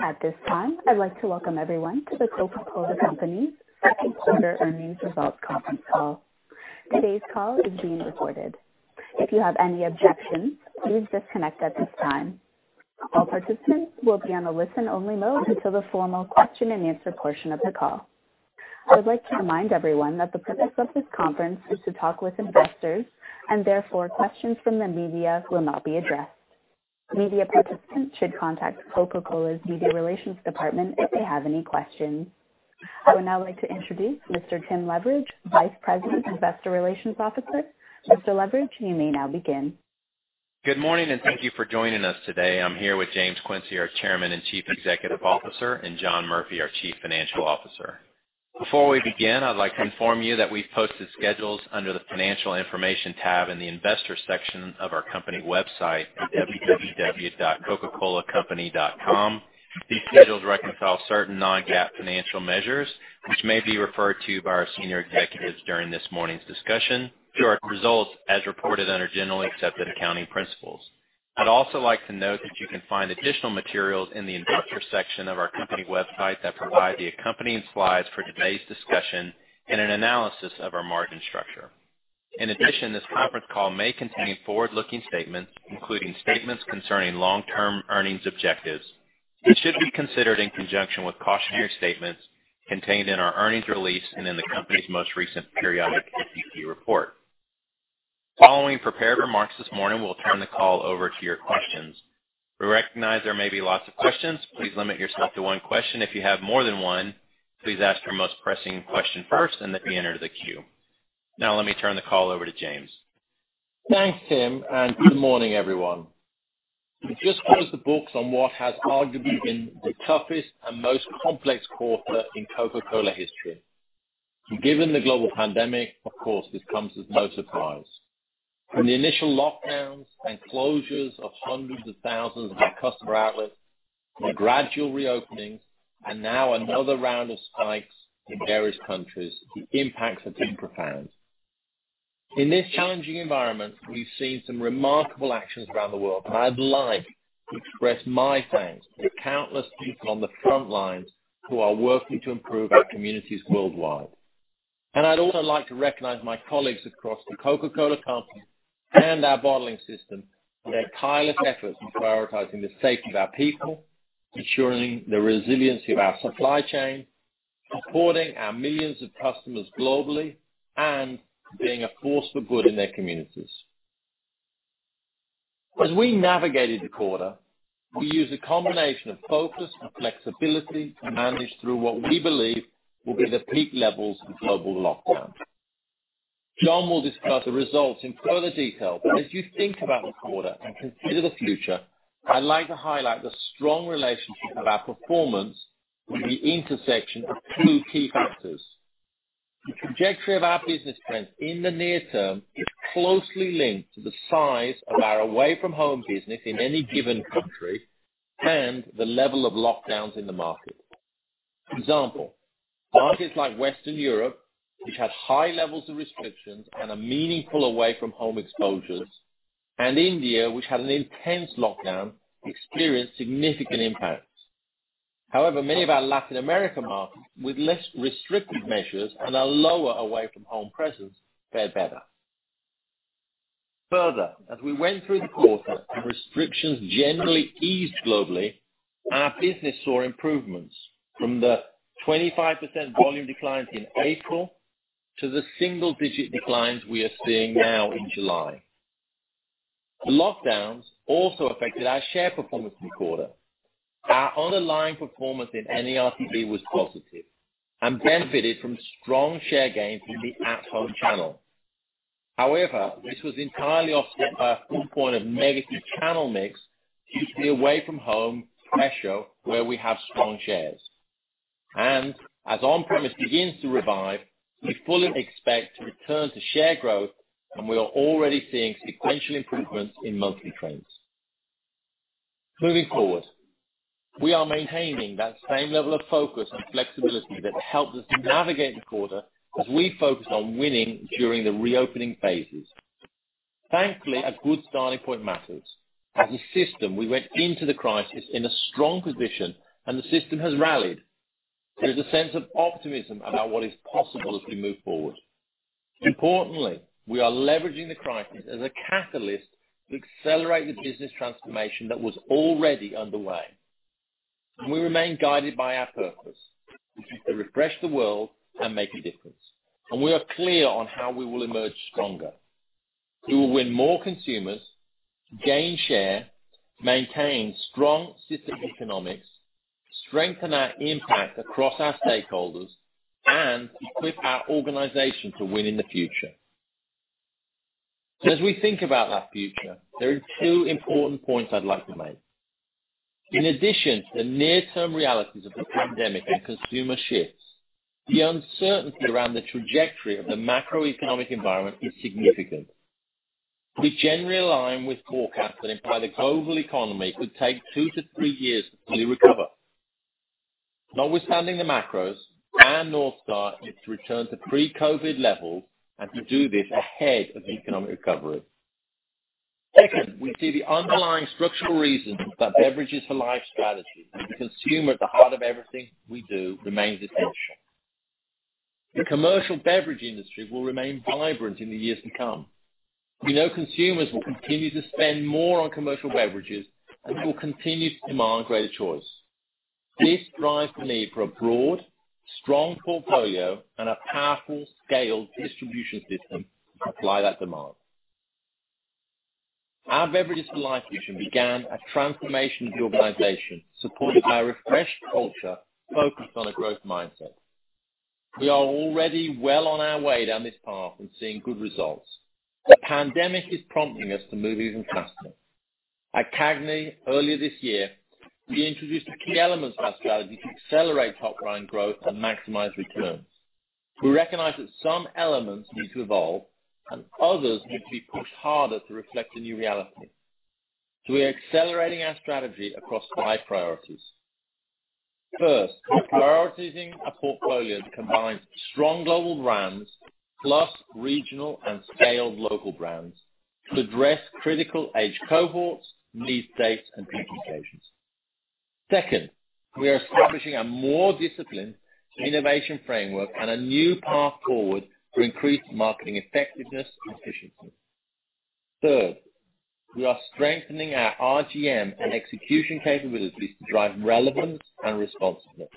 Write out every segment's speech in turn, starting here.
At this time, I'd like to welcome everyone to The Coca-Cola Company second quarter earnings results conference call. Today's call is being recorded. If you have any objections, please disconnect at this time. All participants will be on a listen-only mode until the formal question and answer portion of the call. I would like to remind everyone that the purpose of this conference is to talk with investors, and therefore, questions from the media will not be addressed. Media participants should contact Coca-Cola's media relations department if they have any questions. I would now like to introduce Mr. Tim Leveridge, Vice President, Investor Relations Officer. Mr. Leveridge, you may now begin. Good morning, and thank you for joining us today. I'm here with James Quincey, our Chairman and Chief Executive Officer, and John Murphy, our Chief Financial Officer. Before we begin, I'd like to inform you that we've posted schedules under the Financial Information tab in the Investor section of our company website at www.coca-colacompany.com. These schedules reconcile certain non-GAAP financial measures, which may be referred to by our senior executives during this morning's discussion to our results as reported under generally accepted accounting principles. I'd also like to note that you can find additional materials in the investor section of our company website that provide the accompanying slides for today's discussion and an analysis of our margin structure. This conference call may contain forward-looking statements, including statements concerning long-term earnings objectives, and should be considered in conjunction with cautionary statements contained in our earnings release and in the company's most recent periodic SEC report. Following prepared remarks this morning, we'll turn the call over to your questions. We recognize there may be lots of questions. Please limit yourself to one question. If you have more than one, please ask your most pressing question first and then re-enter the queue. Let me turn the call over to James. Thanks, Tim, and good morning, everyone. We just closed the books on what has arguably been the toughest and most complex quarter in Coca-Cola history. Given the global pandemic, of course, this comes as no surprise. From the initial lockdowns and closures of hundreds of thousands of our customer outlets, the gradual reopenings, and now another round of spikes in various countries, the impacts have been profound. In this challenging environment, we've seen some remarkable actions around the world, and I'd like to express my thanks to the countless people on the front lines who are working to improve our communities worldwide. I'd also like to recognize my colleagues across The Coca-Cola Company and our bottling system for their tireless efforts in prioritizing the safety of our people, ensuring the resiliency of our supply chain, supporting our millions of customers globally, and being a force for good in their communities. As we navigated the quarter, we used a combination of focus and flexibility to manage through what we believe will be the peak levels of global lockdowns. John will discuss the results in further detail. As you think about the quarter and consider the future, I'd like to highlight the strong relationship of our performance with the intersection of two key factors. The trajectory of our business trends in the near term is closely linked to the size of our away-from-home business in any given country and the level of lockdowns in the market. For example, markets like Western Europe, which had high levels of restrictions and a meaningful away-from-home exposures, and India, which had an intense lockdown, experienced significant impacts. Many of our Latin America markets with less restrictive measures and a lower away-from-home presence fared better. As we went through the quarter and restrictions generally eased globally, our business saw improvements from the 25% volume declines in April to the single-digit declines we are seeing now in July. The lockdowns also affected our share performance in the quarter. Our underlying performance in NARTD was positive and benefited from strong share gains in the at-home channel. This was entirely offset by a full point of negative channel mix due to the away-from-home pressure where we have strong shares. As on-premise begins to revive, we fully expect to return to share growth, and we are already seeing sequential improvements in monthly trends. Moving forward, we are maintaining that same level of focus and flexibility that helped us to navigate the quarter as we focus on winning during the reopening phases. Thankfully, a good starting point matters. As a system, we went into the crisis in a strong position, and the system has rallied. There's a sense of optimism about what is possible as we move forward. Importantly, we are leveraging the crisis as a catalyst to accelerate the business transformation that was already underway. We remain guided by our purpose, which is to refresh the world and make a difference. We are clear on how we will emerge stronger. We will win more consumers, gain share, maintain strong system economics, strengthen our impact across our stakeholders, and equip our organization to win in the future. As we think about that future, there are two important points I'd like to make. In addition to the near-term realities of the pandemic and consumer shifts, the uncertainty around the trajectory of the macroeconomic environment is significant. We generally align with forecasts that imply the global economy could take two to three years to fully recover. Notwithstanding the macros and North Star, it's returned to pre-COVID levels and to do this ahead of economic recovery. Second, we see the underlying structural reasons that Beverages for Life strategy and consumer at the heart of everything we do remains essential. The commercial beverage industry will remain vibrant in the years to come. We know consumers will continue to spend more on commercial beverages, and will continue to demand greater choice. This drives the need for a broad, strong portfolio and a powerful scaled distribution system to supply that demand. Our Beverages for Life vision began a transformation of the organization, supported by a refreshed culture focused on a growth mindset. We are already well on our way down this path and seeing good results. The pandemic is prompting us to move even faster. At CAGNY, earlier this year, we introduced the key elements of our strategy to accelerate top line growth and maximize returns. We recognize that some elements need to evolve and others need to be pushed harder to reflect the new reality. We're accelerating our strategy across five priorities. First, we're prioritizing a portfolio that combines strong global brands plus regional and scaled local brands to address critical age cohorts, need states, and drinking occasions. Second, we are establishing a more disciplined innovation framework and a new path forward to increase marketing effectiveness and efficiency. Third, we are strengthening our RGM and execution capabilities to drive relevance and responsiveness.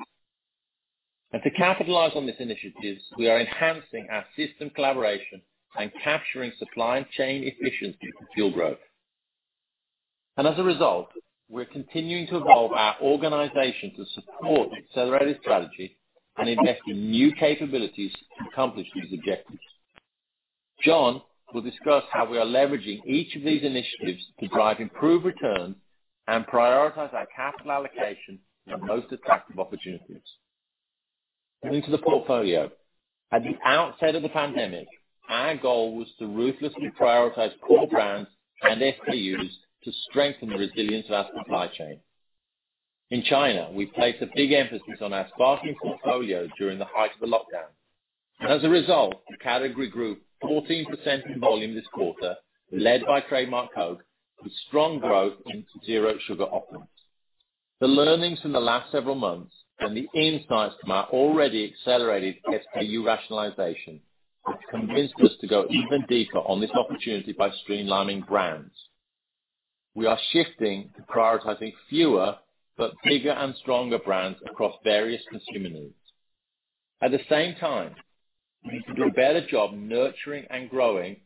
To capitalize on these initiatives, we are enhancing our system collaboration and capturing supply chain efficiency to fuel growth. As a result, we're continuing to evolve our organization to support the accelerated strategy and invest in new capabilities to accomplish these objectives. John will discuss how we are leveraging each of these initiatives to drive improved returns and prioritize our capital allocation in the most attractive opportunities. Moving to the portfolio. At the outset of the pandemic, our goal was to ruthlessly prioritize core brands and SKUs to strengthen the resilience of our supply chain. In China, we placed a big emphasis on our sparkling portfolio during the height of the lockdown. As a result, the category grew 14% in volume this quarter, led by trademark Coke, with strong growth in zero sugar offerings. The learnings from the last several months and the insights from our already accelerated SKU rationalization have convinced us to go even deeper on this opportunity by streamlining brands. We are shifting to prioritizing fewer but bigger and stronger brands across various consumer needs. At the same time, we need to do a better job nurturing and growing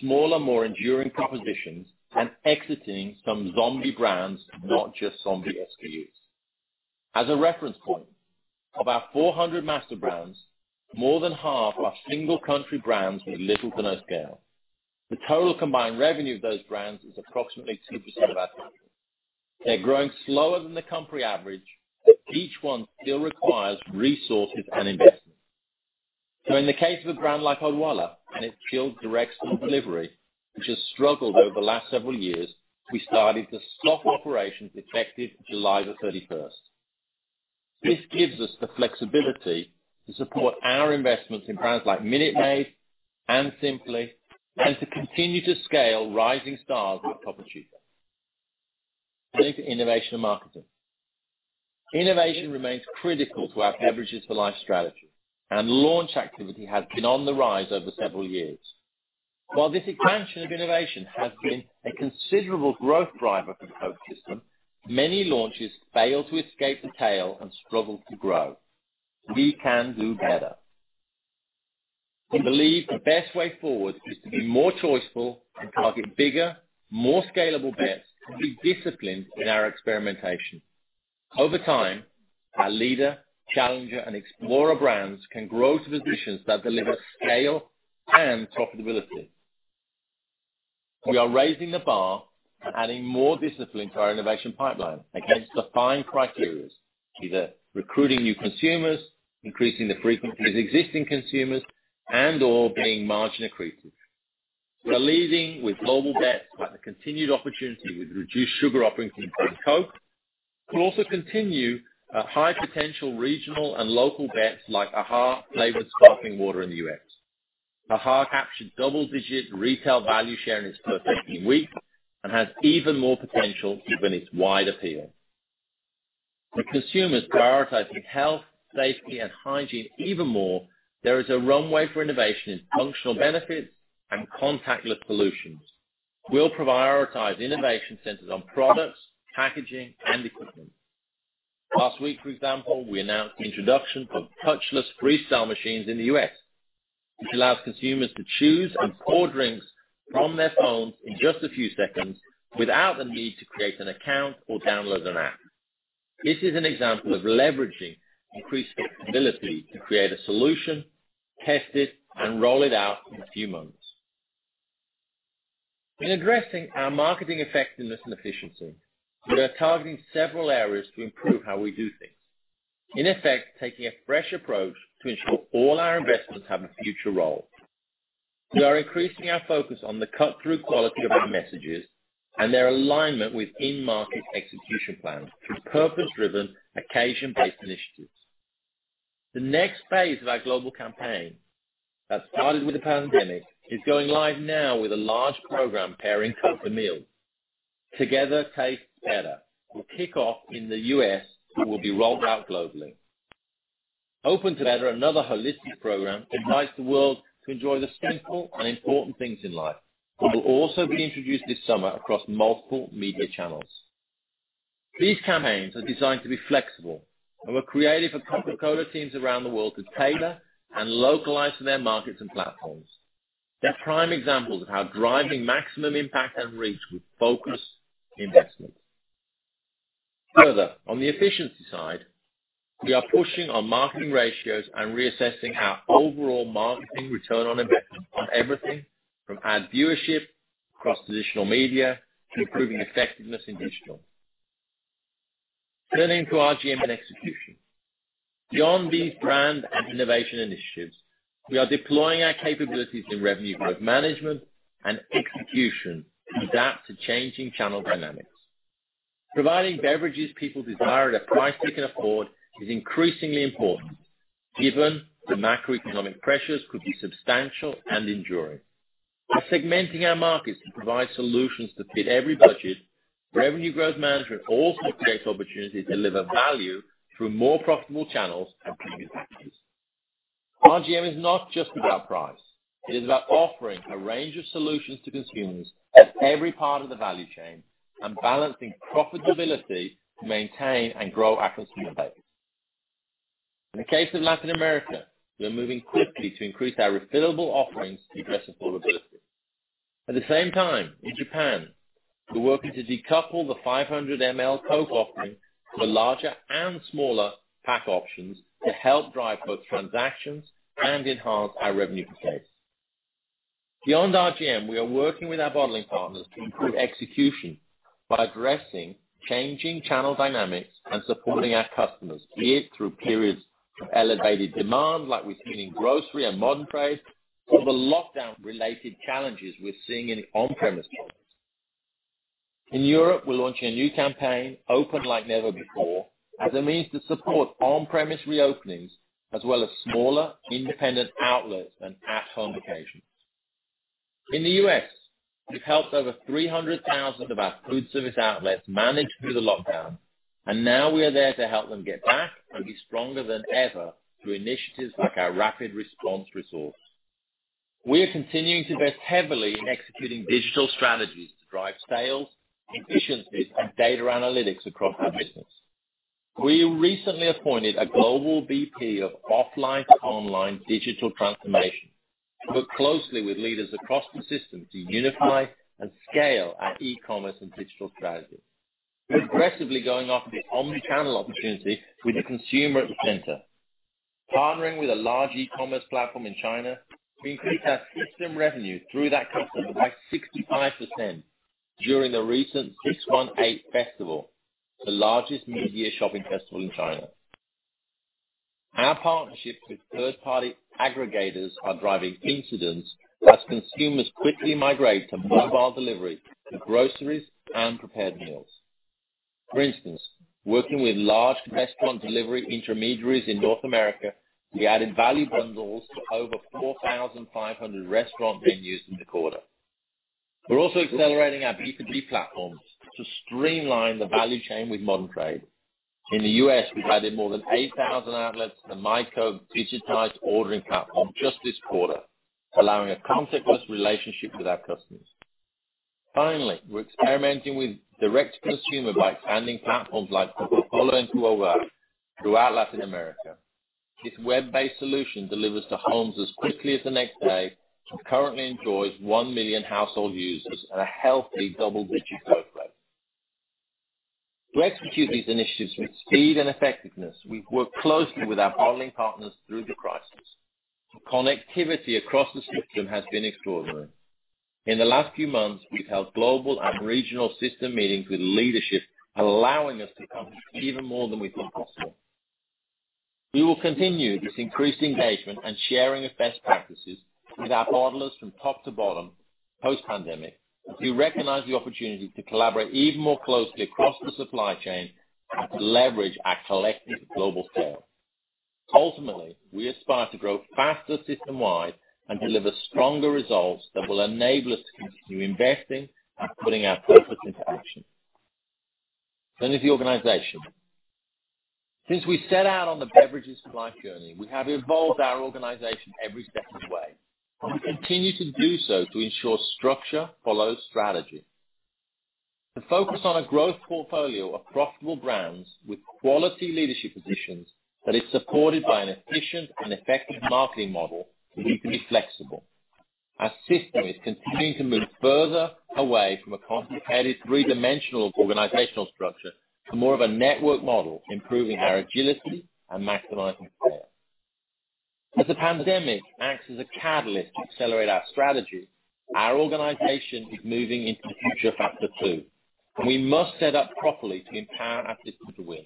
smaller, more enduring propositions and exiting some zombie brands, not just zombie SKUs. As a reference point, of our 400 master brands, more than half are single country brands with little to no scale. The total combined revenue of those brands is approximately 2% of our revenue. They're growing slower than the company average, but each one still requires resources and investment. In the case of a brand like Odwalla and its chilled direct store delivery, which has struggled over the last several years, we started to stop operations effective July 31st. This gives us the flexibility to support our investments in brands like Minute Maid and Simply, and to continue to scale rising stars like Topo Chico. Moving to innovation and marketing. Innovation remains critical to our Beverages for Life strategy, and launch activity has been on the rise over several years. While this expansion of innovation has been a considerable growth driver for the Coke system, many launches fail to escape the tail and struggle to grow. We can do better. We believe the best way forward is to be more choiceful and target bigger, more scalable bets and be disciplined in our experimentation. Over time, our leader, challenger, and explorer brands can grow to positions that deliver scale and profitability. We are raising the bar and adding more discipline to our innovation pipeline against defined criterias, either recruiting new consumers, increasing the frequency of existing consumers, and/or being margin accretive. We're leading with global bets like the continued opportunity with reduced sugar offerings, including Coke. We'll also continue a high potential regional and local bets like AHA flavored sparkling water in the U.S. AHA captured double-digit retail value share in its first 18 weeks and has even more potential given its wide appeal. With consumers prioritizing health, safety, and hygiene even more, there is a runway for innovation in functional benefits and contactless solutions. We'll prioritize innovation centers on products, packaging, and equipment. Last week, for example, we announced the introduction of touchless Freestyle machines in the U.S., which allows consumers to choose and pour drinks from their phones in just a few seconds without the need to create an account or download an app. This is an example of leveraging increased flexibility to create a solution, test it, and roll it out in a few months. In addressing our marketing effectiveness and efficiency, we are targeting several areas to improve how we do things. In effect, taking a fresh approach to ensure all our investments have a future role. We are increasing our focus on the cut-through quality of our messages and their alignment with in-market execution plans through purpose-driven, occasion-based initiatives. The next phase of our global campaign that started with the pandemic is going live now with a large program pairing Coke with meals. Together Tastes Better will kick off in the U.S. and will be rolled out globally. Open Together, another holistic program, invites the world to enjoy the simple and important things in life. It will also be introduced this summer across multiple media channels. These campaigns are designed to be flexible and were created for Coca-Cola teams around the world to tailor and localize for their markets and platforms. They're prime examples of how driving maximum impact and reach with focused investment. Further, on the efficiency side, we are pushing on marketing ratios and reassessing our overall marketing ROI on everything from ad viewership across traditional media to improving effectiveness in digital. Turning to RGM and execution. Beyond these brand and innovation initiatives, we are deploying our capabilities in Revenue Growth Management and execution to adapt to changing channel dynamics. Providing beverages people desire at a price they can afford is increasingly important given the macroeconomic pressures could be substantial and enduring. By segmenting our markets to provide solutions that fit every budget where Revenue Growth Management also creates opportunities to deliver value through more profitable channels and premium mix. RGM is not just about price. It is about offering a range of solutions to consumers at every part of the value chain and balancing profitability to maintain and grow our consumer base. In the case of Latin America, we are moving quickly to increase our refillable offerings to address affordability. At the same time, in Japan, we're working to decouple the 500ml Coke offering to larger and smaller pack options to help drive both transactions and enhance our revenue per case. Beyond RGM, we are working with our bottling partners to improve execution by addressing changing channel dynamics and supporting our customers, be it through periods of elevated demand like we've seen in grocery and modern trade or the lockdown-related challenges we're seeing in on-premise volumes. In Europe, we're launching a new campaign, Open Like Never Before, as a means to support on-premise reopenings as well as smaller independent outlets and at-home occasions. In the U.S., we've helped over 300,000 of our food service outlets manage through the lockdown, and now we are there to help them get back and be stronger than ever through initiatives like our Coca-Cola Rapid Response Resource. We are continuing to invest heavily in executing digital strategies to drive sales, efficiencies, and data analytics across our business. We recently appointed a global VP of offline to online digital transformation to work closely with leaders across the system to unify and scale our e-commerce and digital strategies. We're aggressively going after the omni-channel opportunity with the consumer at the center. Partnering with a large e-commerce platform in China, we increased our system revenue through that customer by 65% during the recent 618 Festival, the largest mid-year shopping festival in China. Our partnerships with third-party aggregators are driving incentives as consumers quickly migrate to mobile delivery for groceries and prepared meals. For instance, working with large restaurant delivery intermediaries in North America, we added value bundles to over 4,500 restaurant venues in the quarter. We're also accelerating our B2B platforms to streamline the value chain with modern trade. In the U.S., we've added more than 8,000 outlets to myCoke digitized ordering platform just this quarter, allowing a contactless relationship with our customers. Finally, we're experimenting with direct-to-consumer by expanding platforms like Coca-Cola en tu Hogar throughout Latin America. This web-based solution delivers to homes as quickly as the next day and currently enjoys 1 million household users and a healthy double-digit growth rate. To execute these initiatives with speed and effectiveness, we've worked closely with our bottling partners through the crisis. Connectivity across the system has been extraordinary. In the last few months, we've held global and regional system meetings with leadership, allowing us to come even more than we thought possible. We will continue this increased engagement and sharing of best practices with our bottlers from top to bottom post-pandemic, as we recognize the opportunity to collaborate even more closely across the supply chain and to leverage our collective global scale. Ultimately, we aspire to grow faster system-wide and deliver stronger results that will enable us to continue investing and putting our purpose into action. With the organization, since we set out on the Beverages for Life journey, we have evolved our organization every step of the way, and we continue to do so to ensure structure follows strategy. The focus on a growth portfolio of profitable brands with quality leadership positions that is supported by an efficient and effective marketing model needs to be flexible. Our system is continuing to move further away from a concentrated three-dimensional organizational structure to more of a network model, improving our agility and maximizing scale. As the pandemic acts as a catalyst to accelerate our strategy, our organization is moving into Future Phase 2, and we must set up properly to empower our system to win.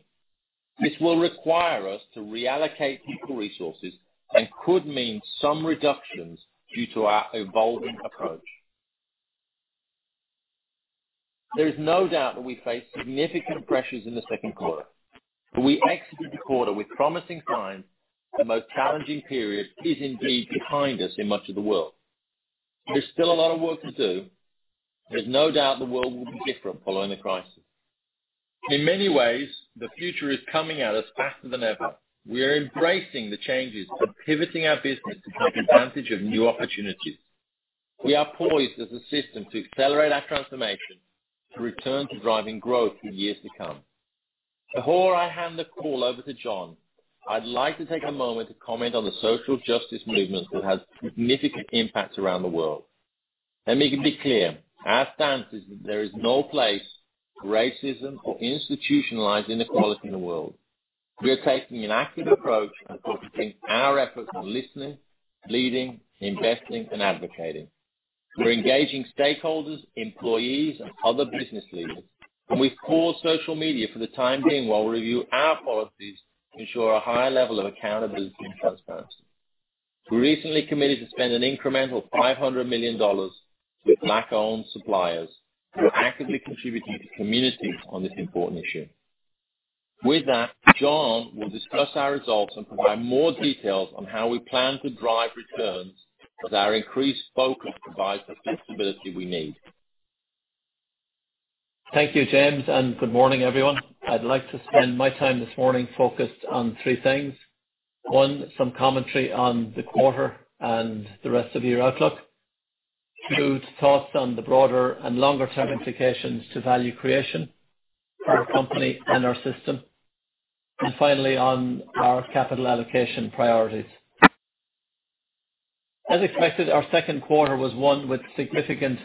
This will require us to reallocate people resources and could mean some reductions due to our evolving approach. There is no doubt that we face significant pressures in the second quarter, but we exited the quarter with promising signs. The most challenging period is indeed behind us in much of the world. There's still a lot of work to do. There's no doubt the world will be different following the crisis. In many ways, the future is coming at us faster than ever. We are embracing the changes and pivoting our business to take advantage of new opportunities. We are poised as a system to accelerate our transformation to return to driving growth in years to come. Before I hand the call over to John, I'd like to take a moment to comment on the social justice movement that has significant impacts around the world. Let me be clear. Our stance is that there is no place for racism or institutionalized inequality in the world. We are taking an active approach and focusing our efforts on listening, leading, investing, and advocating. We're engaging stakeholders, employees, and other business leaders, and we've paused social media for the time being while we review our policies to ensure a high level of accountability and transparency. We recently committed to spend an incremental $500 million with black-owned suppliers who actively contribute to communities on this important issue. With that, John will discuss our results and provide more details on how we plan to drive returns as our increased focus provides the flexibility we need. Thank you, James, and good morning, everyone. I'd like to spend my time this morning focused on three things. One, some commentary on the quarter and the rest of the year outlook. Two, thoughts on the broader and longer-term implications to value creation for our company and our system. And finally, on our capital allocation priorities. As expected, our second quarter was one with significant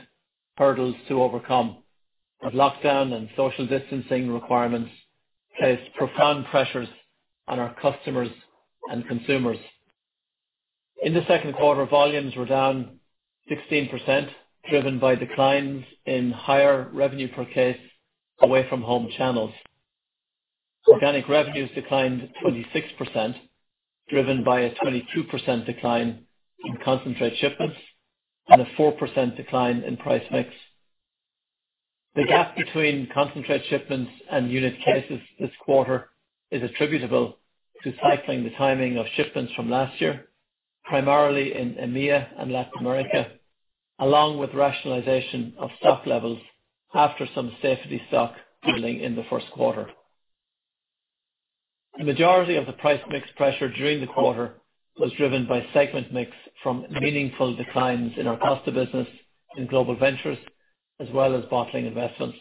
hurdles to overcome, with lockdown and social distancing requirements placed profound pressures on our customers and consumers. In the second quarter, volumes were down 16%, driven by declines in higher revenue per case away from home channels. Organic revenues declined 26%, driven by a 22% decline in concentrate shipments and a 4% decline in price mix. The gap between concentrate shipments and unit cases this quarter is attributable to cycling the timing of shipments from last year, primarily in EMEA and Latin America, along with rationalization of stock levels after some safety stock building in the first quarter. The majority of the price mix pressure during the quarter was driven by segment mix from meaningful declines in our Costa business in Global Ventures, as well as bottling investments.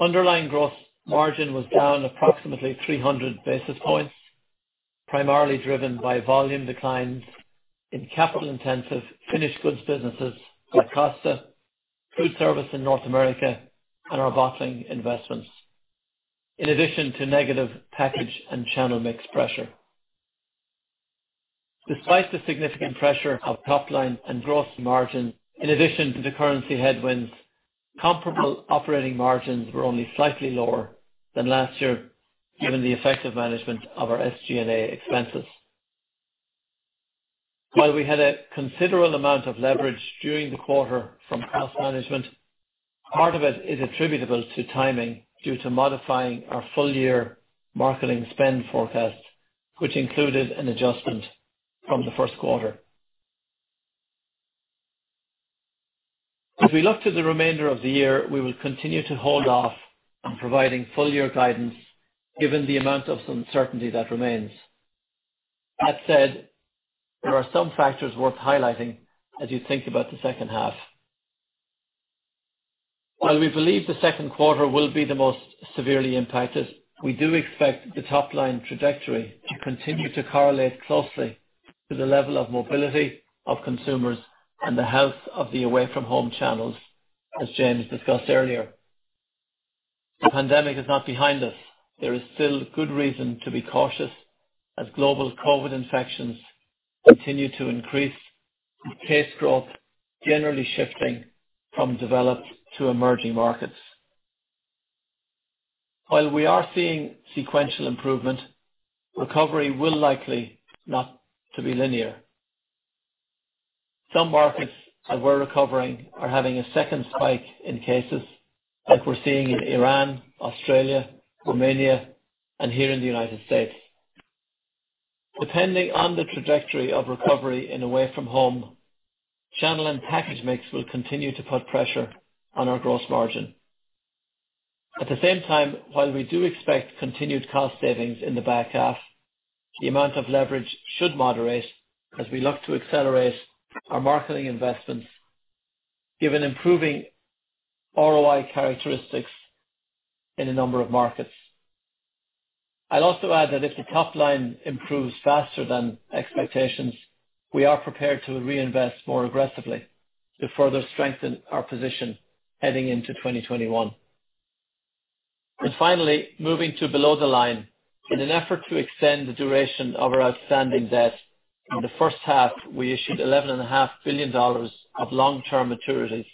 Underlying gross margin was down approximately 300 basis points, primarily driven by volume declines in capital-intensive finished goods businesses like Costa, food service in North America, and our Bottling Investments, in addition to negative package and channel mix pressure. Despite the significant pressure of top line and gross margin, in addition to the currency headwinds, comparable operating margins were only slightly lower than last year, given the effective management of our SG&A expenses. While we had a considerable amount of leverage during the quarter from cost management, part of it is attributable to timing due to modifying our full-year marketing spend forecast, which included an adjustment from the first quarter. As we look to the remainder of the year, we will continue to hold off on providing full-year guidance given the amount of uncertainty that remains. That said, there are some factors worth highlighting as you think about the second half. While we believe the second quarter will be the most severely impacted, we do expect the top-line trajectory to continue to correlate closely to the level of mobility of consumers and the health of the away-from-home channels, as James discussed earlier. The pandemic is not behind us. There is still good reason to be cautious as global COVID-19 infections continue to increase with case growth generally shifting from developed to emerging markets. While we are seeing sequential improvement, recovery will likely not to be linear. Some markets that were recovering are having a second spike in cases, like we're seeing in Iran, Australia, Romania, and here in the United States. Depending on the trajectory of recovery in away from home, channel and package mix will continue to put pressure on our gross margin. At the same time, while we do expect continued cost savings in the back half, the amount of leverage should moderate as we look to accelerate our marketing investments given improving ROI characteristics in a number of markets. I'd also add that if the top line improves faster than expectations, we are prepared to reinvest more aggressively to further strengthen our position heading into 2021. Finally, moving to below the line. In an effort to extend the duration of our outstanding debt, in the first half, we issued $11.5 billion of long-term maturities,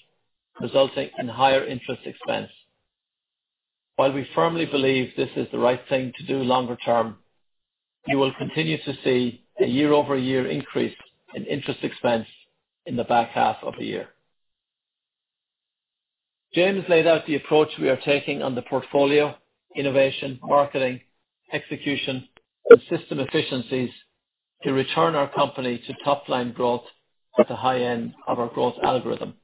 resulting in higher interest expense. While we firmly believe this is the right thing to do longer term, you will continue to see a year-over-year increase in interest expense in the back half of the year. James laid out the approach we are taking on the portfolio, innovation, marketing, execution, and system efficiencies to return our company to top-line growth at the high end of our growth algorithm.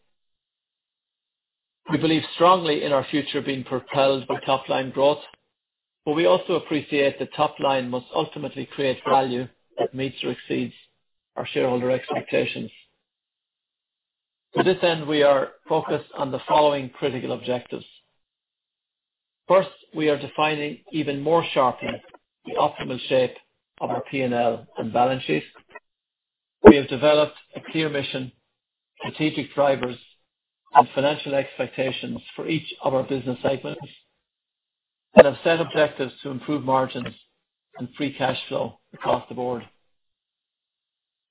We also appreciate that top line must ultimately create value that meets or exceeds our shareholder expectations. To this end, we are focused on the following critical objectives. First, we are defining even more sharply the optimal shape of our P&L and balance sheet. We have developed a clear mission, strategic drivers, and financial expectations for each of our business segments and have set objectives to improve margins and free cash flow across the board.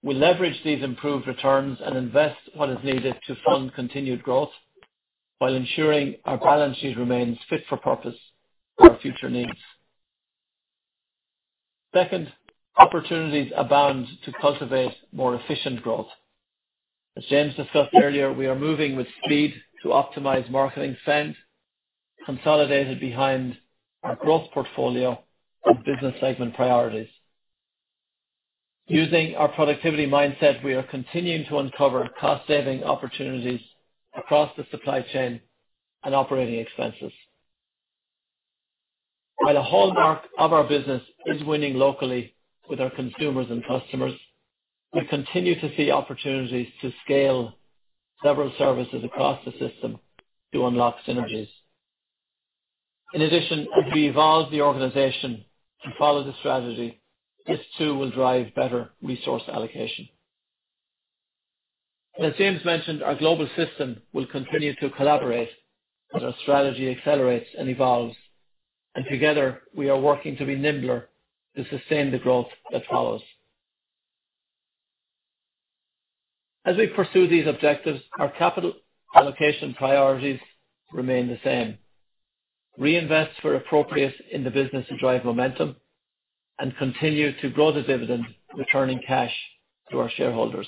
We leverage these improved returns and invest what is needed to fund continued growth while ensuring our balance sheet remains fit for purpose for our future needs. Second, opportunities abound to cultivate more efficient growth. As James discussed earlier, we are moving with speed to optimize marketing spend, consolidated behind our growth portfolio and business segment priorities. Using our productivity mindset, we are continuing to uncover cost-saving opportunities across the supply chain and operating expenses. While the hallmark of our business is winning locally with our consumers and customers, we continue to see opportunities to scale several services across the system to unlock synergies. In addition, as we evolve the organization to follow the strategy, this too will drive better resource allocation. As James mentioned, our global system will continue to collaborate as our strategy accelerates and evolves. Together, we are working to be nimbler to sustain the growth that follows. As we pursue these objectives, our capital allocation priorities remain the same. Reinvest where appropriate in the business to drive momentum and continue to grow the dividend, returning cash to our shareholders.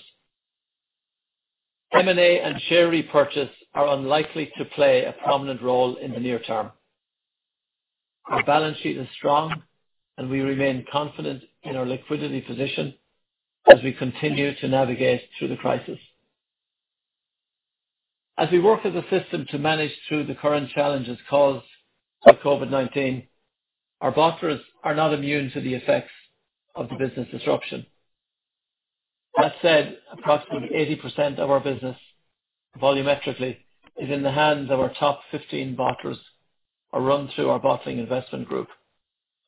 M&A and share repurchase are unlikely to play a prominent role in the near term. Our balance sheet is strong, and we remain confident in our liquidity position as we continue to navigate through the crisis. As we work as a system to manage through the current challenges caused by COVID-19, our bottlers are not immune to the effects of the business disruption. That said, approximately 80% of our business volumetrically is in the hands of our top 15 bottlers or run through our Bottling Investment Group.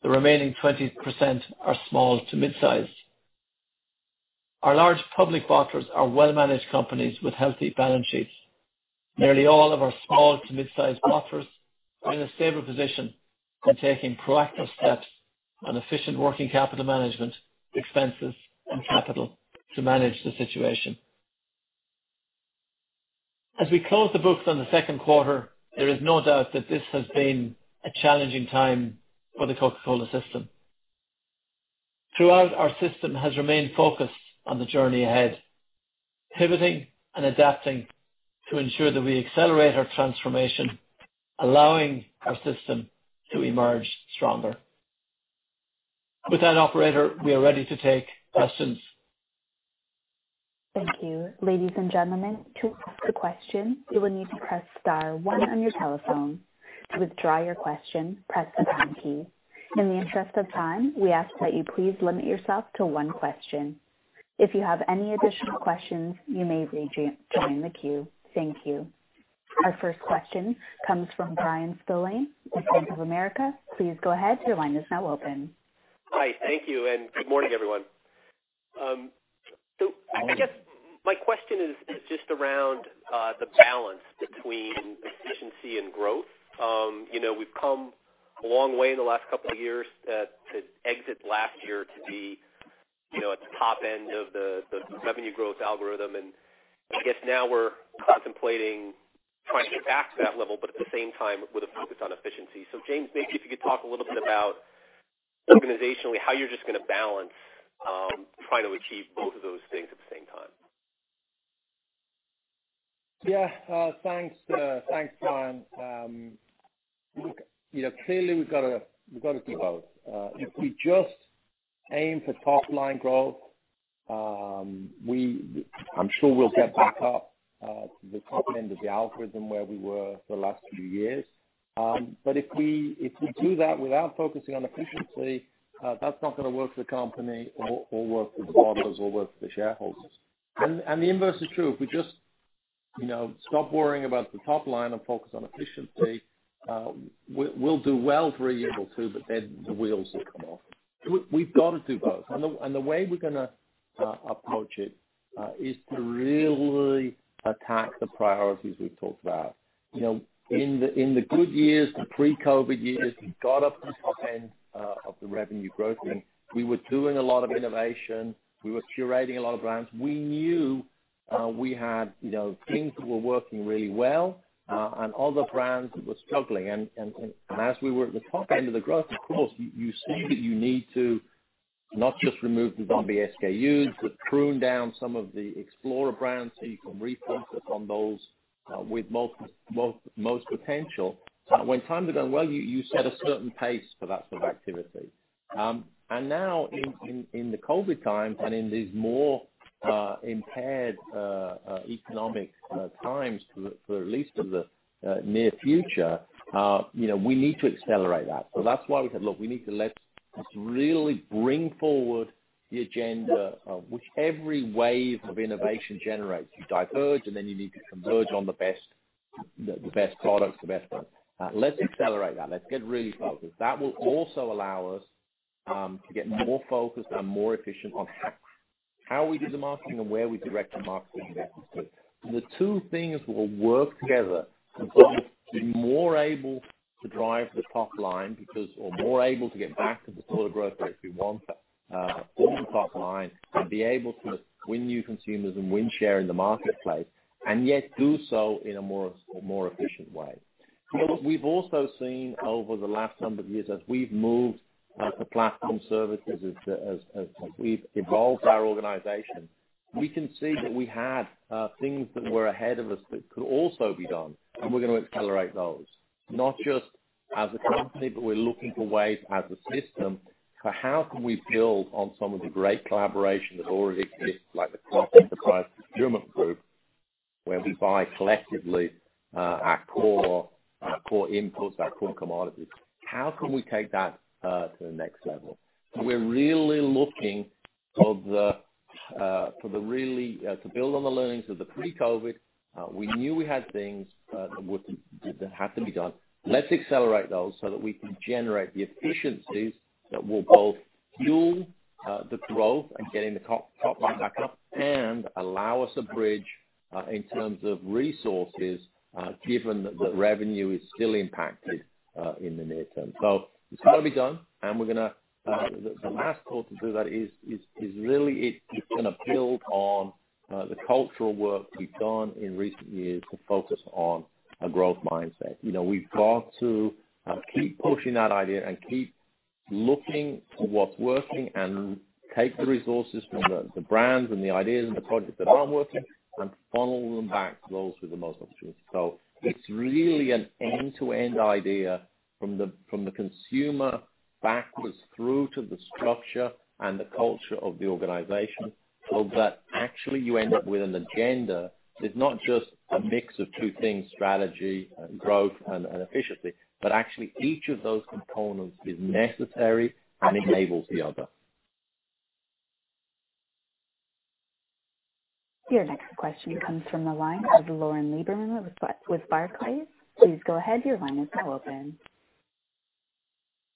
The remaining 20% are small to midsize. Our large public bottlers are well-managed companies with healthy balance sheets. Nearly all of our small to mid-size bottlers are in a stable position and taking proactive steps on efficient working capital management, expenses, and capital to manage the situation. As we close the books on the second quarter, there is no doubt that this has been a challenging time for the Coca-Cola system. Throughout, our system has remained focused on the journey ahead, pivoting and adapting to ensure that we accelerate our transformation, allowing our system to emerge stronger. With that, operator, we are ready to take questions. Thank you. Ladies and gentlemen, to ask a question, you will need to press star one on your telephone. To withdraw your question, press the pound key. In the interest of time, we ask that you please limit yourself to one question. If you have any additional questions, you may rejoin the queue. Thank you. Our first question comes from Bryan Spillane with Bank of America. Please go ahead. Your line is now open. Hi. Thank you, and good morning, everyone. I guess my question is just around the balance between efficiency and growth. We've come a long way in the last couple of years to exit last year to be at the top end of the revenue growth algorithm. I guess now we're contemplating trying to get back to that level, but at the same time with a focus on efficiency. James, maybe if you could talk a little bit about organizationally, how you're just going to balance trying to achieve both of those things at the same time. Yeah. Thanks, Bryan. Clearly, we've got to do both. If we just aim for top-line growth, I'm sure we'll get back up to the top end of the algorithm where we were for the last few years. If we do that without focusing on efficiency, that's not going to work for the company or work for the bottlers or work for the shareholders. The inverse is true. If we just stop worrying about the top line and focus on efficiency, we'll do well for a year or two, but then the wheels will come off. We've got to do both. The way we're going to approach it is to really attack the priorities we've talked about In the good years, the pre-COVID years, we got up the top end of the revenue growth thing. We were doing a lot of innovation. We were curating a lot of brands. We knew we had things that were working really well, and other brands that were struggling. As we were at the top end of the growth, of course, you see that you need to not just remove the zombie SKUs, but prune down some of the explorer brands so you can refocus on those with most potential. When times are going well, you set a certain pace for that sort of activity. Now in the COVID times, and in these more impaired economic times for at least the near future, we need to accelerate that. That's why we said, look, let's really bring forward the agenda of which every wave of innovation generates. You diverge, you need to converge on the best products, the best brands. Let's accelerate that. Let's get really focused. That will also allow us to get more focused and more efficient on how we do the marketing and where we direct our marketing efforts to. The two things will work together be more able to drive the top line because we're more able to get back to the sort of growth rates we want for the top line, and be able to win new consumers and win share in the marketplace, and yet do so in a more efficient way. We've also seen over the last number of years, as we've moved to platform services, as we've evolved our organization, we can see that we had things that were ahead of us that could also be done, and we're going to accelerate those. Not just as a company, we're looking for ways as a system for how can we build on some of the great collaboration that already exists, like the Cross Enterprise Procurement Group, where we buy collectively our core inputs, our core commodities. How can we take that to the next level? We're really looking to build on the learnings of the pre-COVID. We knew we had things that had to be done. Let's accelerate those so that we can generate the efficiencies that will both fuel the growth and getting the top line back up and allow us a bridge in terms of resources, given that revenue is still impacted in the near term. It's got to be done, the last call to do that is really, it's going to build on the cultural work we've done in recent years to focus on a growth mindset. We've got to keep pushing that idea and keep looking for what's working and take the resources from the brands and the ideas and the projects that aren't working and funnel them back to those with the most opportunities. It's really an end-to-end idea from the consumer backwards through to the structure and the culture of the organization, so that actually you end up with an agenda that's not just a mix of two things, strategy and growth and efficiency, but actually, each of those components is necessary and enables the other. Your next question comes from the line of Lauren Lieberman with Barclays. Please go ahead. Your line is now open.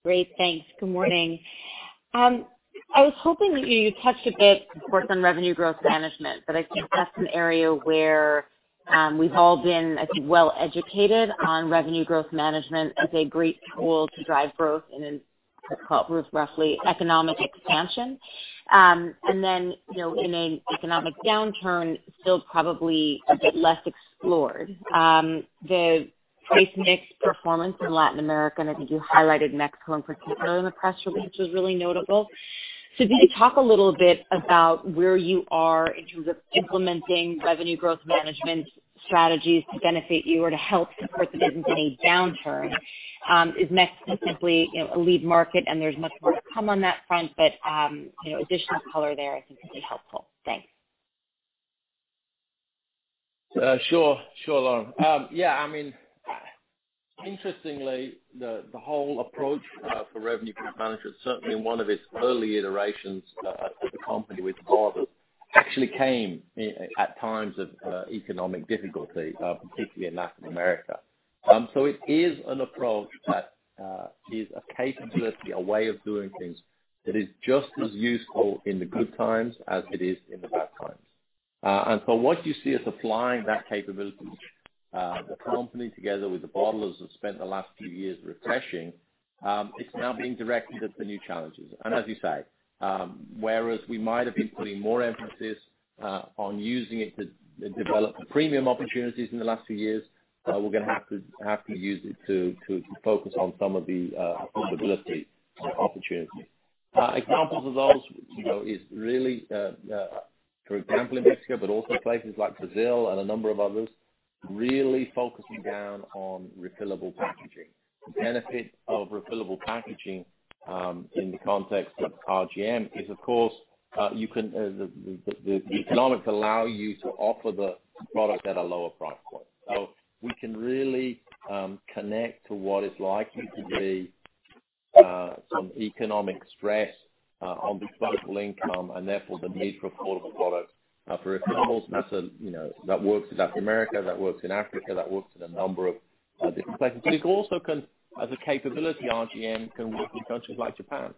Great. Thanks. Good morning. I was hoping you'd touch a bit, of course, on Revenue Growth Management, I think that's an area where we've all been, I think, well-educated on Revenue Growth Management as a great tool to drive growth in a, let's call it, roughly economic expansion. In an economic downturn, still probably a bit less explored. The price mix performance in Latin America, and I think you highlighted Mexico in particular in the press release, was really notable. Can you talk a little bit about where you are in terms of implementing Revenue Growth Management strategies to benefit you or to help support the business in a downturn? Is Mexico simply a lead market and there's much more to come on that front? Additional color there I think would be helpful. Thanks. Sure, Lauren. Yeah, interestingly, the whole approach for Revenue Growth Management, certainly in one of its early iterations for the company with the bottlers, actually came at times of economic difficulty, particularly in Latin America. It is an approach that is a capability, a way of doing things that is just as useful in the good times as it is in the bad times. What you see us applying that capability, the company together with the bottlers have spent the last few years refreshing. It's now being directed at the new challenges. As you say, whereas we might have been putting more emphasis on using it to develop the premium opportunities in the last few years, we're going to have to use it to focus on some of the affordability opportunities. Examples of those is really, for example, in Mexico, but also places like Brazil and a number of others, really focusing down on refillable packaging. The benefit of refillable packaging, in the context of RGM, is of course, the economics allow you to offer the product at a lower price point. We can really connect to what is likely to be some economic stress on disposable income and therefore the need for affordable products, for refillables. That works in Latin America, that works in Africa, that works in a number of a different place. It also can, as a capability, RGM can work in countries like Japan.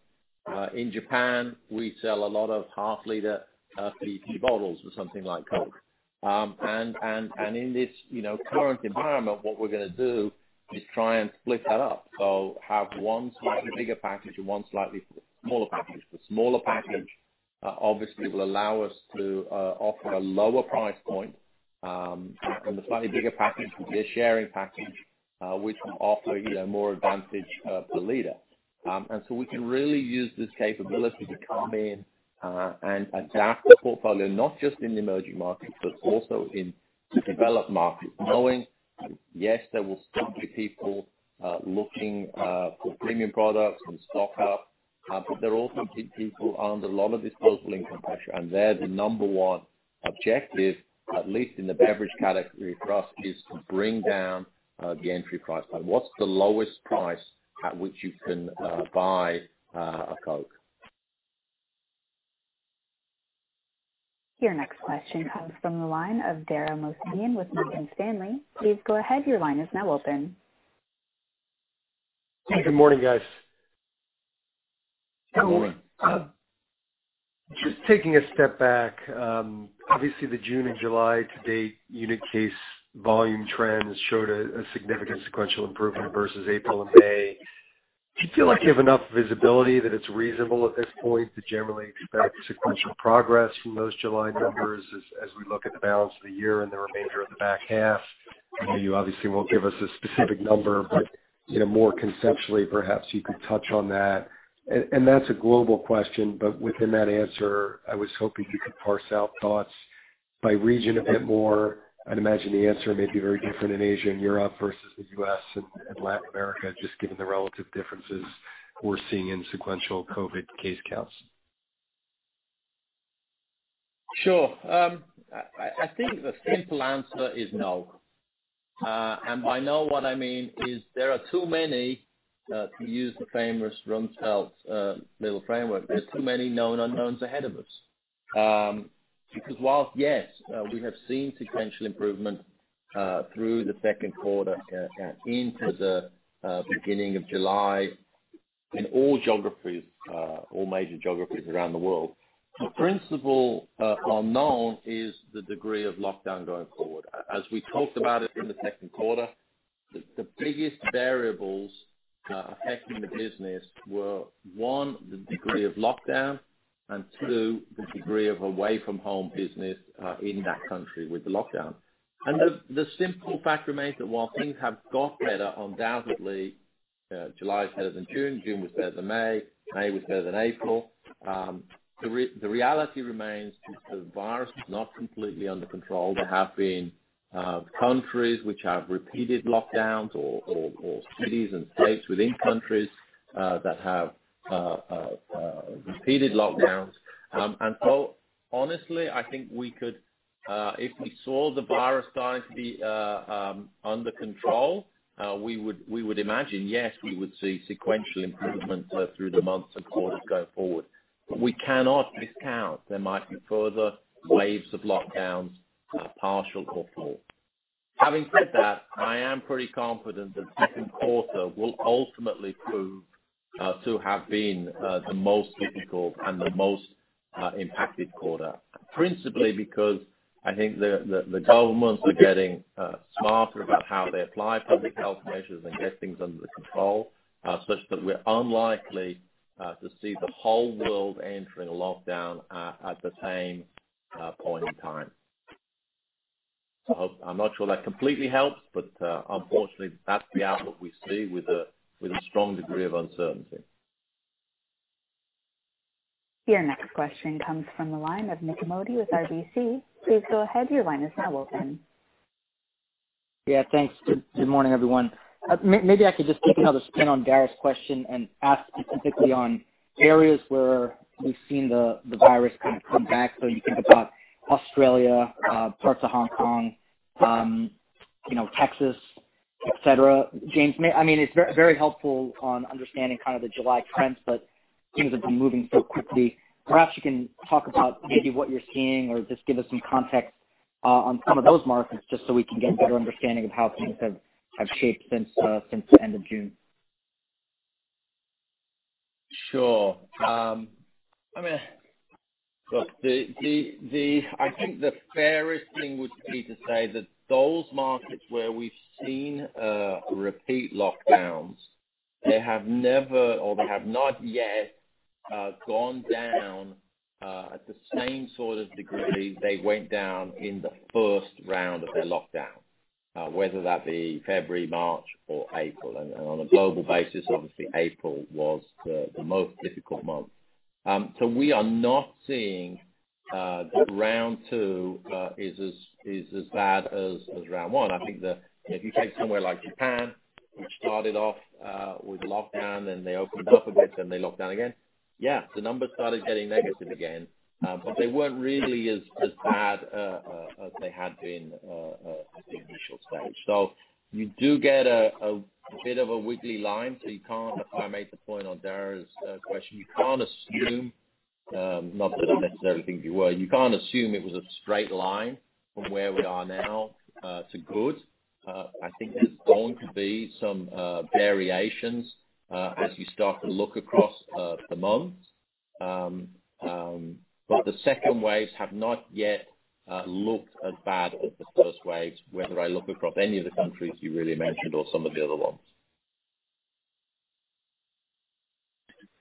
In Japan, we sell a lot of half-liter PET bottles for something like Coke. In this current environment, what we're going to do is try and split that up. Have one slightly bigger package and one slightly smaller package. The smaller package obviously will allow us to offer a lower price point, and the slightly bigger package will be a sharing package, which will offer more advantage per liter. We can really use this capability to come in and adapt the portfolio, not just in the emerging markets, but also in the developed markets, knowing, yes, there will still be people looking for premium products and stock up, but there will also be people under a lot of disposable income pressure, and their number one objective, at least in the beverage category for us, is to bring down the entry price point. What's the lowest price at which you can buy a Coke? Your next question comes from the line of Dara with Morgan Stanley. Please go ahead, your line is now open. Good morning, guys. Good morning. Just taking a step back. Obviously, the June and July to date unit case volume trends showed a significant sequential improvement versus April and May. Do you feel like you have enough visibility that it's reasonable at this point to generally expect sequential progress from those July numbers as we look at the balance of the year and the remainder of the back half? I know you obviously won't give us a specific number, but more conceptually, perhaps you could touch on that. That's a global question, but within that answer, I was hoping you could parse out thoughts by region a bit more. I'd imagine the answer may be very different in Asia and Europe versus the U.S. and Latin America, just given the relative differences we're seeing in sequential COVID-19 case counts. Sure. I think the simple answer is no. By no, what I mean is there are too many, to use the famous Rumsfeld little framework, there's too many known unknowns ahead of us. Whilst, yes, we have seen sequential improvement, through the second quarter into the beginning of July in all geographies, all major geographies around the world, the principal unknown is the degree of lockdown going forward. As we talked about it in the second quarter, the biggest variables affecting the business were, one, the degree of lockdown, and two, the degree of away-from-home business in that country with the lockdown. The simple fact remains that while things have got better, undoubtedly, July is better than June was better than May was better than April, the reality remains that the virus is not completely under control. There have been countries which have repeated lockdowns or cities and states within countries that have repeated lockdowns. Honestly, I think we could, if we saw the virus starting to be under control, we would imagine, yes, we would see sequential improvements through the months and quarters going forward. We cannot discount there might be further waves of lockdowns, partial or full. Having said that, I am pretty confident that second quarter will ultimately prove to have been the most difficult and the most impacted quarter, principally because I think the governments are getting smarter about how they apply public health measures and get things under control, such that we're unlikely to see the whole world entering a lockdown at the same point in time. I'm not sure that completely helps. Unfortunately, that's the outlook we see with a strong degree of uncertainty. Your next question comes from the line of Nik Modi with RBC. Please go ahead, your line is now open. Yeah. Thanks. Good morning, everyone. Maybe I could just take another spin on Dara's question and ask you specifically on areas where we've seen the virus kind of come back, so you think about Australia, parts of Hong Kong, Texas, et cetera. James, it's very helpful on understanding kind of the July trends. Things have been moving so quickly. Perhaps you can talk about maybe what you're seeing or just give us some context on some of those markets, just so we can get a better understanding of how things have shaped since the end of June. Sure. I think the fairest thing would be to say that those markets where we've seen repeat lockdowns, they have never, or they have not yet gone down at the same sort of degree they went down in the first round of their lockdown, whether that be February, March, or April. On a global basis, obviously April was the most difficult month. We are not seeing that round 2 is as bad as round 1. I think that if you take somewhere like Japan, which started off with lockdown, then they opened up a bit, then they locked down again. Yeah, the numbers started getting negative again. They weren't really as bad as they had been at the initial stage. You do get a bit of a wiggly line, so you can't, if I made the point on Dara's question, you can't assume. Not that I necessarily think you were. You can't assume it was a straight line from where we are now to good. I think there's going to be some variations as you start to look across the months. The second waves have not yet looked as bad as the first waves, whether I look across any of the countries you really mentioned or some of the other ones.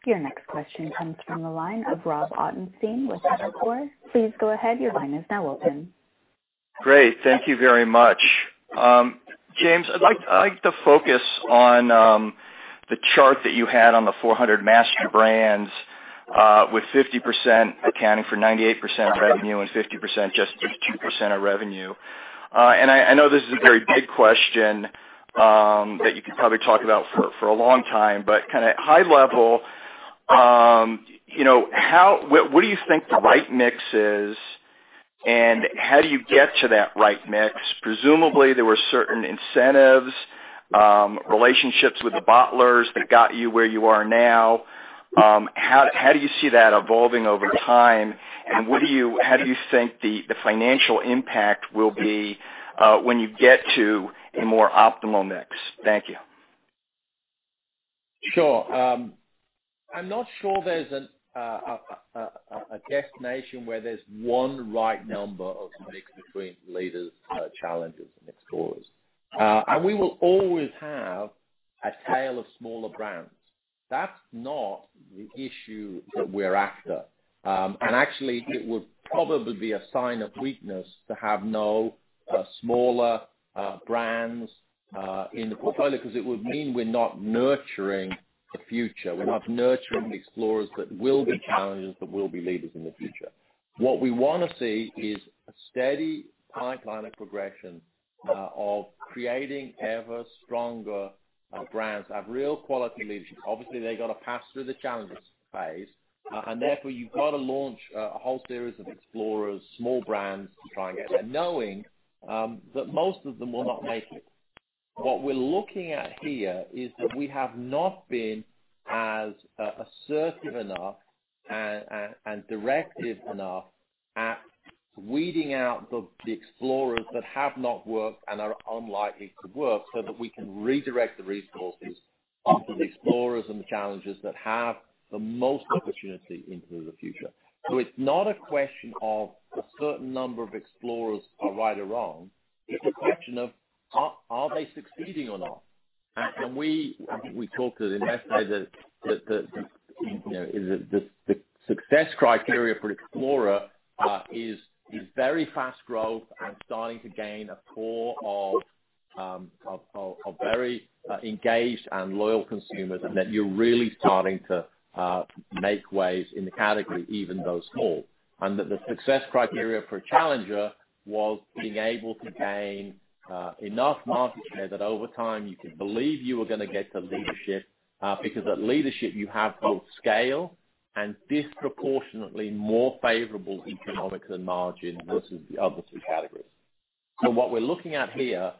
Your next question comes from the line of Robert Ottenstein with Evercore. Please go ahead. Your line is now open. Great. Thank you very much. James, I'd like to focus on the chart that you had on the 400 master brands, with 50% accounting for 98% of revenue and 50% just 50% of revenue. I know this is a very big question that you could probably talk about for a long time, kind of high level, what do you think the right mix is, and how do you get to that right mix? Presumably there were certain incentives, relationships with the bottlers that got you where you are now. How do you see that evolving over time? How do you think the financial impact will be when you get to a more optimal mix? Thank you. Sure. I'm not sure there's a destination where there's one right number of mix between leaders, challengers, and explorers. We will always have a tail of smaller brands. That's not the issue that we're after. Actually, it would probably be a sign of weakness to have no smaller brands in the portfolio, because it would mean we're not nurturing the future. We're not nurturing the explorers that will be challengers, that will be leaders in the future. What we want to see is a steady pipeline of progression, of creating ever stronger brands, have real quality leadership. Obviously, they've got to pass through the challengers phase. Therefore, you've got to launch a whole series of explorers, small brands, to try and get there, knowing that most of them will not make it. What we're looking at here is that we have not been as assertive enough and directive enough at weeding out the explorers that have not worked and are unlikely to work, so that we can redirect the resources onto the explorers and the challengers that have the most opportunity into the future. It's not a question of a certain number of explorers are right or wrong, it's a question of are they succeeding or not? We talked to the investor that the success criteria for explorer is very fast growth and starting to gain a core of very engaged and loyal consumers, and that you're really starting to make waves in the category, even though small. That the success criteria for a challenger was being able to gain enough market share that over time you could believe you were going to get to leadership, because at leadership you have both scale and disproportionately more favorable economics and margin versus the other two categories. What we're looking at here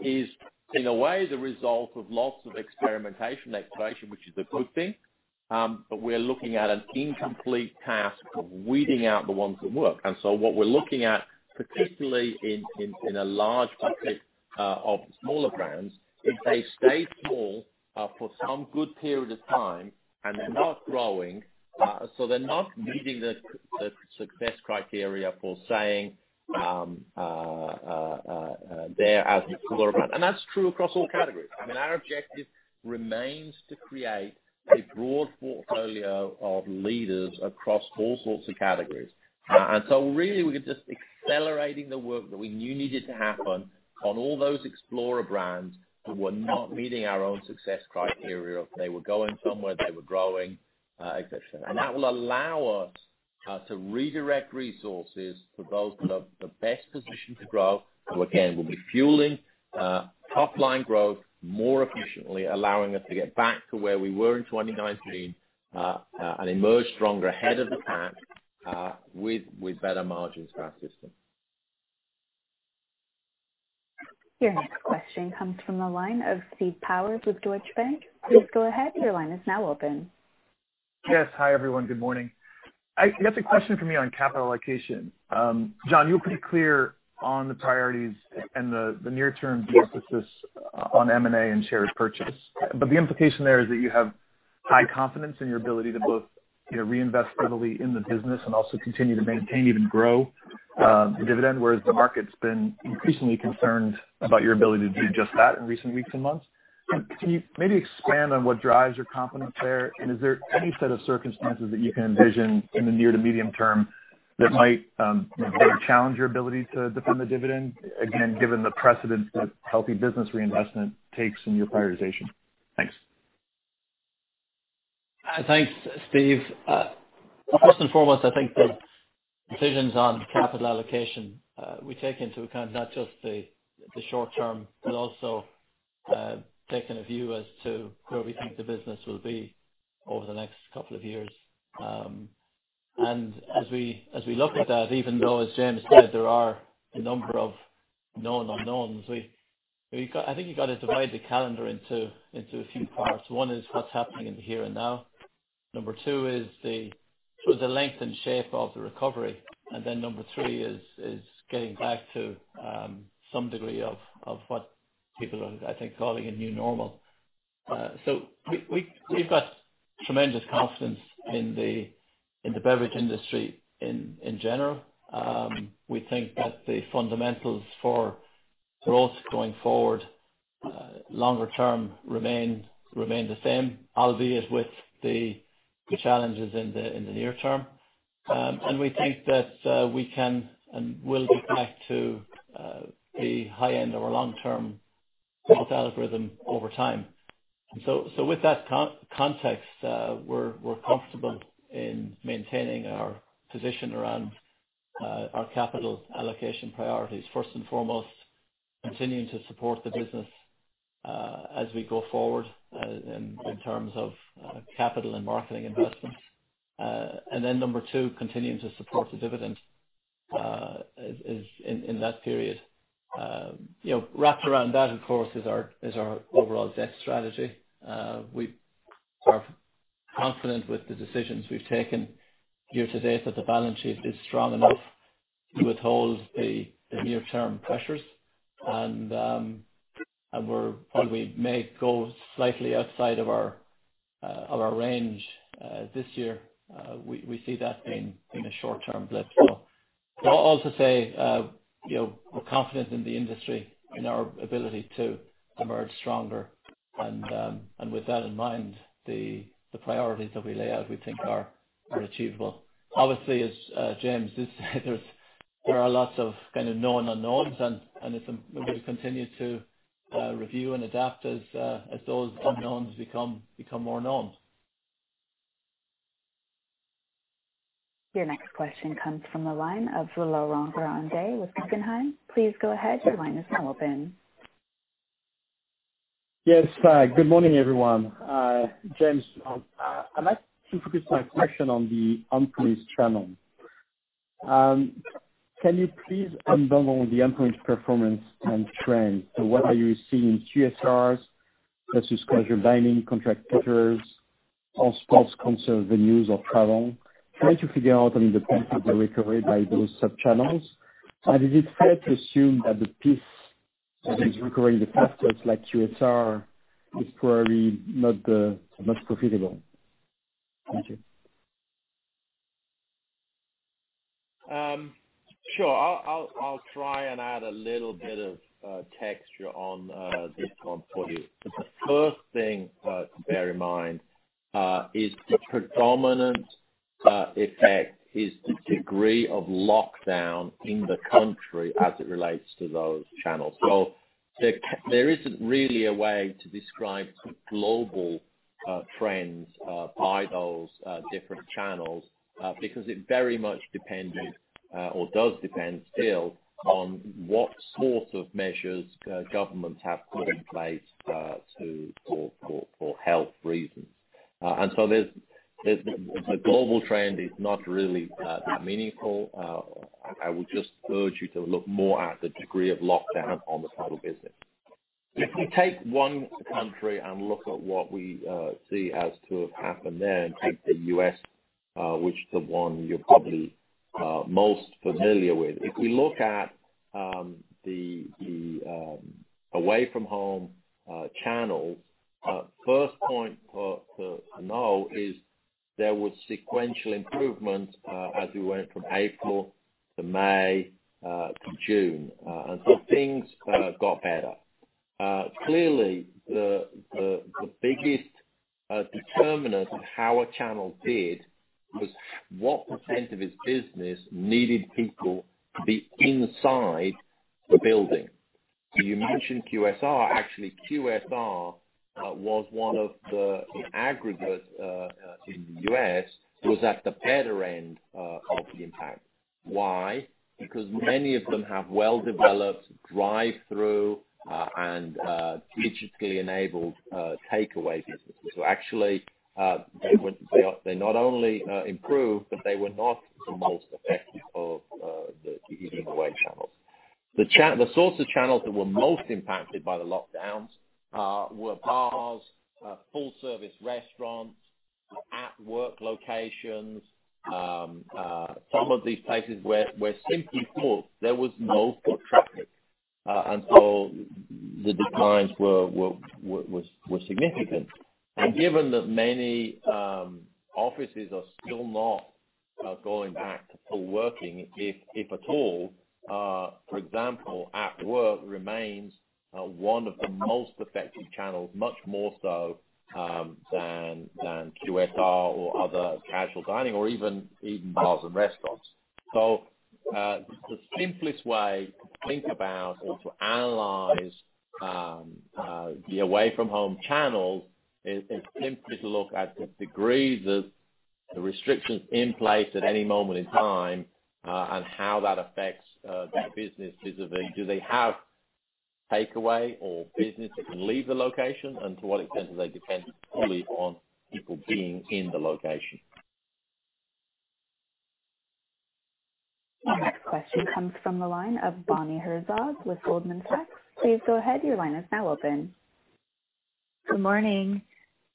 is in a way the result of lots of experimentation and exploration, which is a good thing. We're looking at an incomplete task of weeding out the ones that work. What we're looking at, particularly in a large set of smaller brands, if they've stayed small for some good period of time and they're not growing, so they're not meeting the success criteria for saying they're an explorer brand. That's true across all categories. Our objective remains to create a broad portfolio of leaders across all sorts of categories. Really, we're just accelerating the work that we knew needed to happen on all those explorer brands who were not meeting our own success criteria. They were going somewhere, they were growing, et cetera. That will allow us to redirect resources to those that are the best positioned to grow, who again, will be fueling top-line growth more efficiently, allowing us to get back to where we were in 2019, and emerge stronger ahead of the pack, with better margins for our system. Your next question comes from the line of Steve Powers with Deutsche Bank. Please go ahead. Your line is now open. Yes. Hi, everyone. Good morning. I guess a question for me on capital allocation. John, you were pretty clear on the priorities and the near-term de-emphasis on M&A and shares purchase. The implication there is that you have high confidence in your ability to both reinvest heavily in the business and also continue to maintain, even grow, the dividend, whereas the market's been increasingly concerned about your ability to do just that in recent weeks and months. Can you maybe expand on what drives your confidence there? Is there any set of circumstances that you can envision in the near to medium term that might challenge your ability to defend the dividend? Again, given the precedent that healthy business reinvestment takes in your prioritization. Thanks. Thanks, Steve. First and foremost, I think the decisions on capital allocation we take into account not just the short term, but also take in a view as to where we think the business will be over the next couple of years. As we look at that, even though, as James said, there are a number of known unknowns, I think you got to divide the calendar into a few parts. One is what's happening in the here and now. Number two is the length and shape of the recovery. Then number three is getting back to some degree of what people are, I think, calling a new normal. We've got tremendous confidence in the beverage industry in general. We think that the fundamentals for growth going forward, longer term, remain the same, albeit with the challenges in the near term. We think that we can, and will be back to the high end of our long-term growth algorithm over time. With that context, we're comfortable in maintaining our position around our capital allocation priorities. First and foremost, continuing to support the business, as we go forward in terms of capital and marketing investments. Number 2, continuing to support the dividend in that period. Wrapped around that, of course, is our overall debt strategy. We are confident with the decisions we've taken year to date, that the balance sheet is strong enough to withhold the near-term pressures. While we may go slightly outside of our range this year, we see that being a short-term blip. I'll also say, we're confident in the industry, in our ability to emerge stronger, and with that in mind, the priorities that we lay out, we think are achievable. Obviously, as James did say there are lots of kind of known unknowns, and we're going to continue to review and adapt as those unknowns become more known. Your next question comes from the line of Laurent Grandet with Guggenheim. Please go ahead. Your line is now open. Yes. Good morning, everyone. James, I'd like to focus my question on the on-premise channel. Can you please unravel the on-premise performance and trend? What are you seeing in QSRs versus casual dining, contract caterers, or sports/concert venues or travel? Trying to figure out, I mean, the pace of the recovery by those sub-channels. Is it fair to assume that the piece that is recovering the fastest, like QSR, is probably not the most profitable? Thank you. Sure. I'll try and add a little bit of texture on this one for you. The first thing to bear in mind is the predominant effect is the degree of lockdown in the country as it relates to those channels. There isn't really a way to describe global trends by those different channels, because it very much depended, or does depend still, on what sorts of measures governments have put in place for health reasons. The global trend is not really that meaningful. I would just urge you to look more at the degree of lockdown on the total business. If we take one country and look at what we see as to have happened there, and take the U.S., which is the one you're probably most familiar with. If we look at the away-from-home channels, first point to know is there was sequential improvement as we went from April to May to June, and so things got better. Clearly, the biggest determinant of how a channel did was what percentage of its business needed people to be inside the building. You mentioned QSR. Actually, QSR was one of the aggregate, in the U.S., was at the better end of the impact. Why? Because many of them have well-developed drive-thru and digitally enabled takeaway businesses. Actually, they not only improved, but they were not the most affected of the eating away channels. The sorts of channels that were most impacted by the lockdowns were bars, full-service restaurants, at work locations, some of these places were simply full. There was no foot traffic. The declines were significant. Given that many offices are still not going back to full working, if at all, for example, at work remains one of the most affected channels, much more so than QSR or other casual dining or even bars and restaurants. The simplest way to think about or to analyze the away-from-home channels is simply to look at the degree that the restrictions in place at any moment in time, and how that affects that business vis-a-vis, do they have takeaway or business that can leave the location, and to what extent do they depend fully on people being in the location? Your next question comes from the line of Bonnie Herzog with Goldman Sachs. Please go ahead. Your line is now open. Good morning.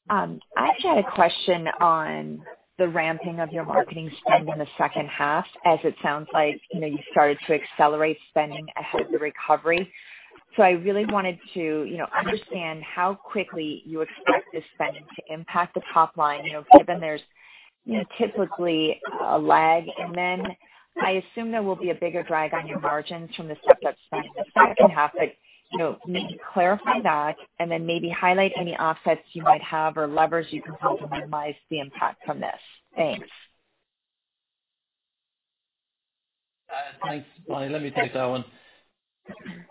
I actually had a question on the ramping of your marketing spend in the second half, as it sounds like you started to accelerate spending ahead of the recovery. I really wanted to understand how quickly you expect this spending to impact the top line, given there's typically a lag. I assume there will be a bigger drag on your margins from the stepped-up spend in the second half. Maybe clarify that and then maybe highlight any offsets you might have or levers you can pull to minimize the impact from this. Thanks. Thanks, Bonnie. Let me take that one.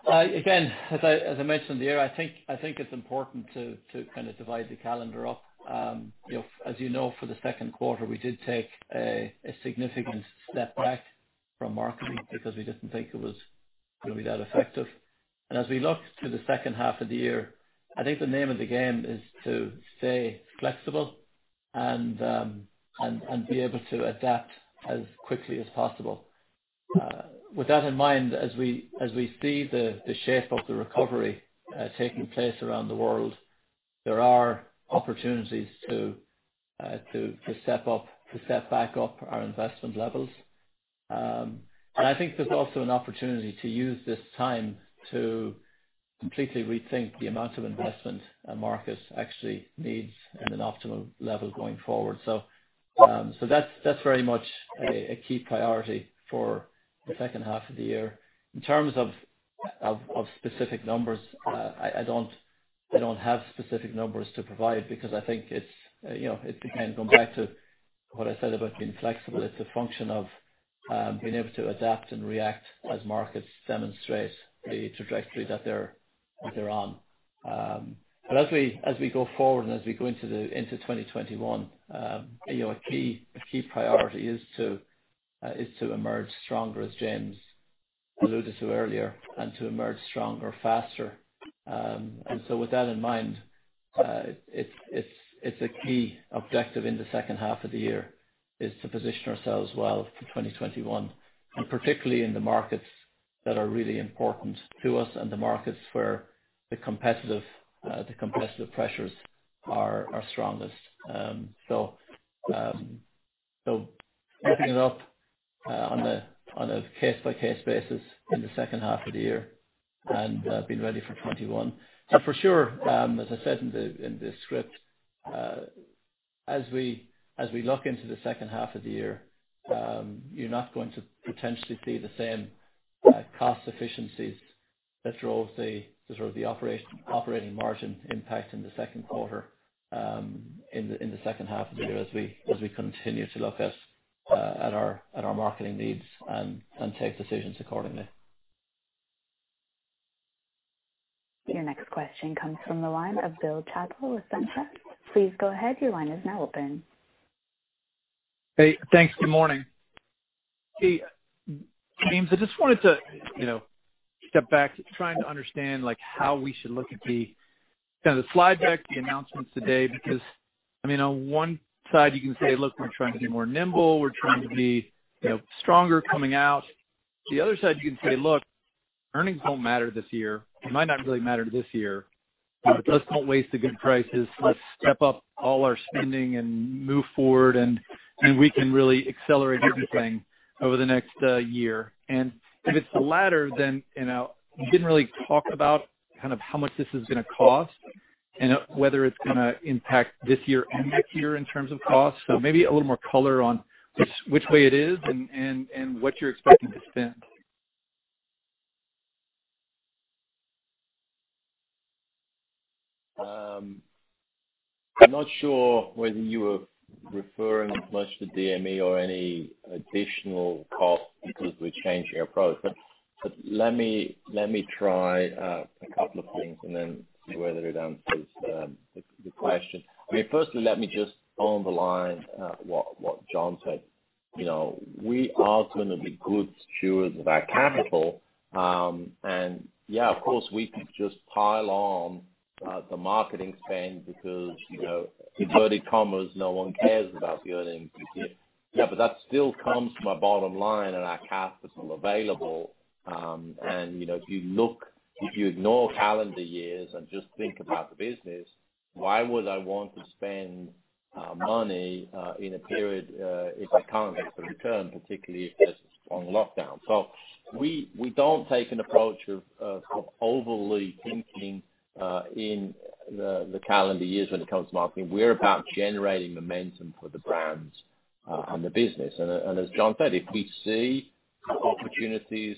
As I mentioned here, I think it's important to kind of divide the calendar up. As you know, for the second quarter, we did take a significant step back from marketing because we didn't think it was going to be that effective. As we look to the second half of the year, I think the name of the game is to stay flexible and be able to adapt as quickly as possible. With that in mind, as we see the shape of the recovery taking place around the world, there are opportunities to step back up our investment levels. I think there's also an opportunity to use this time to completely rethink the amount of investment a market actually needs at an optimal level going forward. That's very much a key priority for the second half of the year. In terms of specific numbers, I don't have specific numbers to provide because I think it kind of goes back to what I said about being flexible. It's a function of being able to adapt and react as markets demonstrate the trajectory that they're on. As we go forward and as we go into 2021, a key priority is to emerge stronger, as James alluded to earlier, and to emerge stronger faster. With that in mind, it's a key objective in the second half of the year, is to position ourselves well for 2021, and particularly in the markets that are really important to us and the markets where the competitive pressures are strongest. Ramping it up on a case-by-case basis in the second half of the year and being ready for 2021. For sure, as I said in the script, as we look into the second half of the year, you're not going to potentially see the same cost efficiencies that drove the sort of operating margin impact in the second quarter, in the second half of the year as we continue to look at our marketing needs and take decisions accordingly. Your next question comes from the line of Bill Chappell with SunTrust. Please go ahead. Your line is now open. Hey, thanks. Good morning. Hey, James, I just wanted to step back, trying to understand how we should look at the kind of slide deck, the announcements today, because, I mean, on one side you can say, "Look, we're trying to be more nimble. We're trying to be stronger coming out." The other side, you can say, "Look, earnings won't matter this year. It might not really matter this year, but let's not waste a good crisis. Let's step up all our spending and move forward, and we can really accelerate everything over the next year." If it's the latter, you didn't really talk about kind of how much this is going to cost and whether it's going to impact this year and next year in terms of cost. Maybe a little more color on which way it is and what you're expecting to spend. I'm not sure whether you were referring as much to DME or any additional cost because we're changing our approach, but let me try a couple of things and then see whether it answers the question. I mean, firstly, let me just underline what John said. We are going to be good stewards of our capital. Yeah, of course, we could just pile on the marketing spend because inverted commas, no one cares about the earnings this year. That still comes from our bottom line and our capital available. If you ignore calendar years and just think about the business, why would I want to spend money in a period if I can't get the return, particularly if there's strong lockdown? We don't take an approach of overly thinking in the calendar years when it comes to marketing. We're about generating momentum for the brands and the business. As John said, if we see opportunities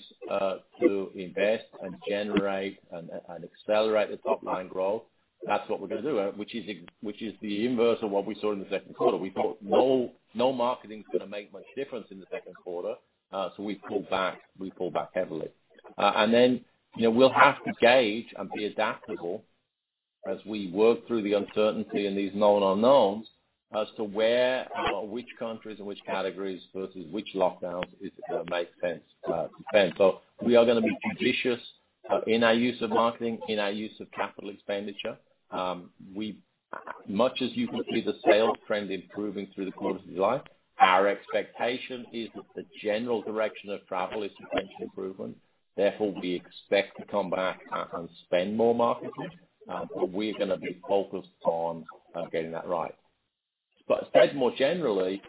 to invest and generate and accelerate the top-line growth, that's what we're going to do, which is the inverse of what we saw in the second quarter. We thought no marketing is going to make much difference in the second quarter, so we pulled back heavily. We'll have to gauge and be adaptable as we work through the uncertainty and these known unknowns as to where or which countries and which categories versus which lockdowns it make sense to spend. We are going to be judicious in our use of marketing, in our use of capital expenditure. Much as you can see the sales trend improving through the course [and the like], our expectation is that the general direction of travel is potential improvement. We expect to come back and spend more marketing, but we're going to be focused on getting that right. Said more generally,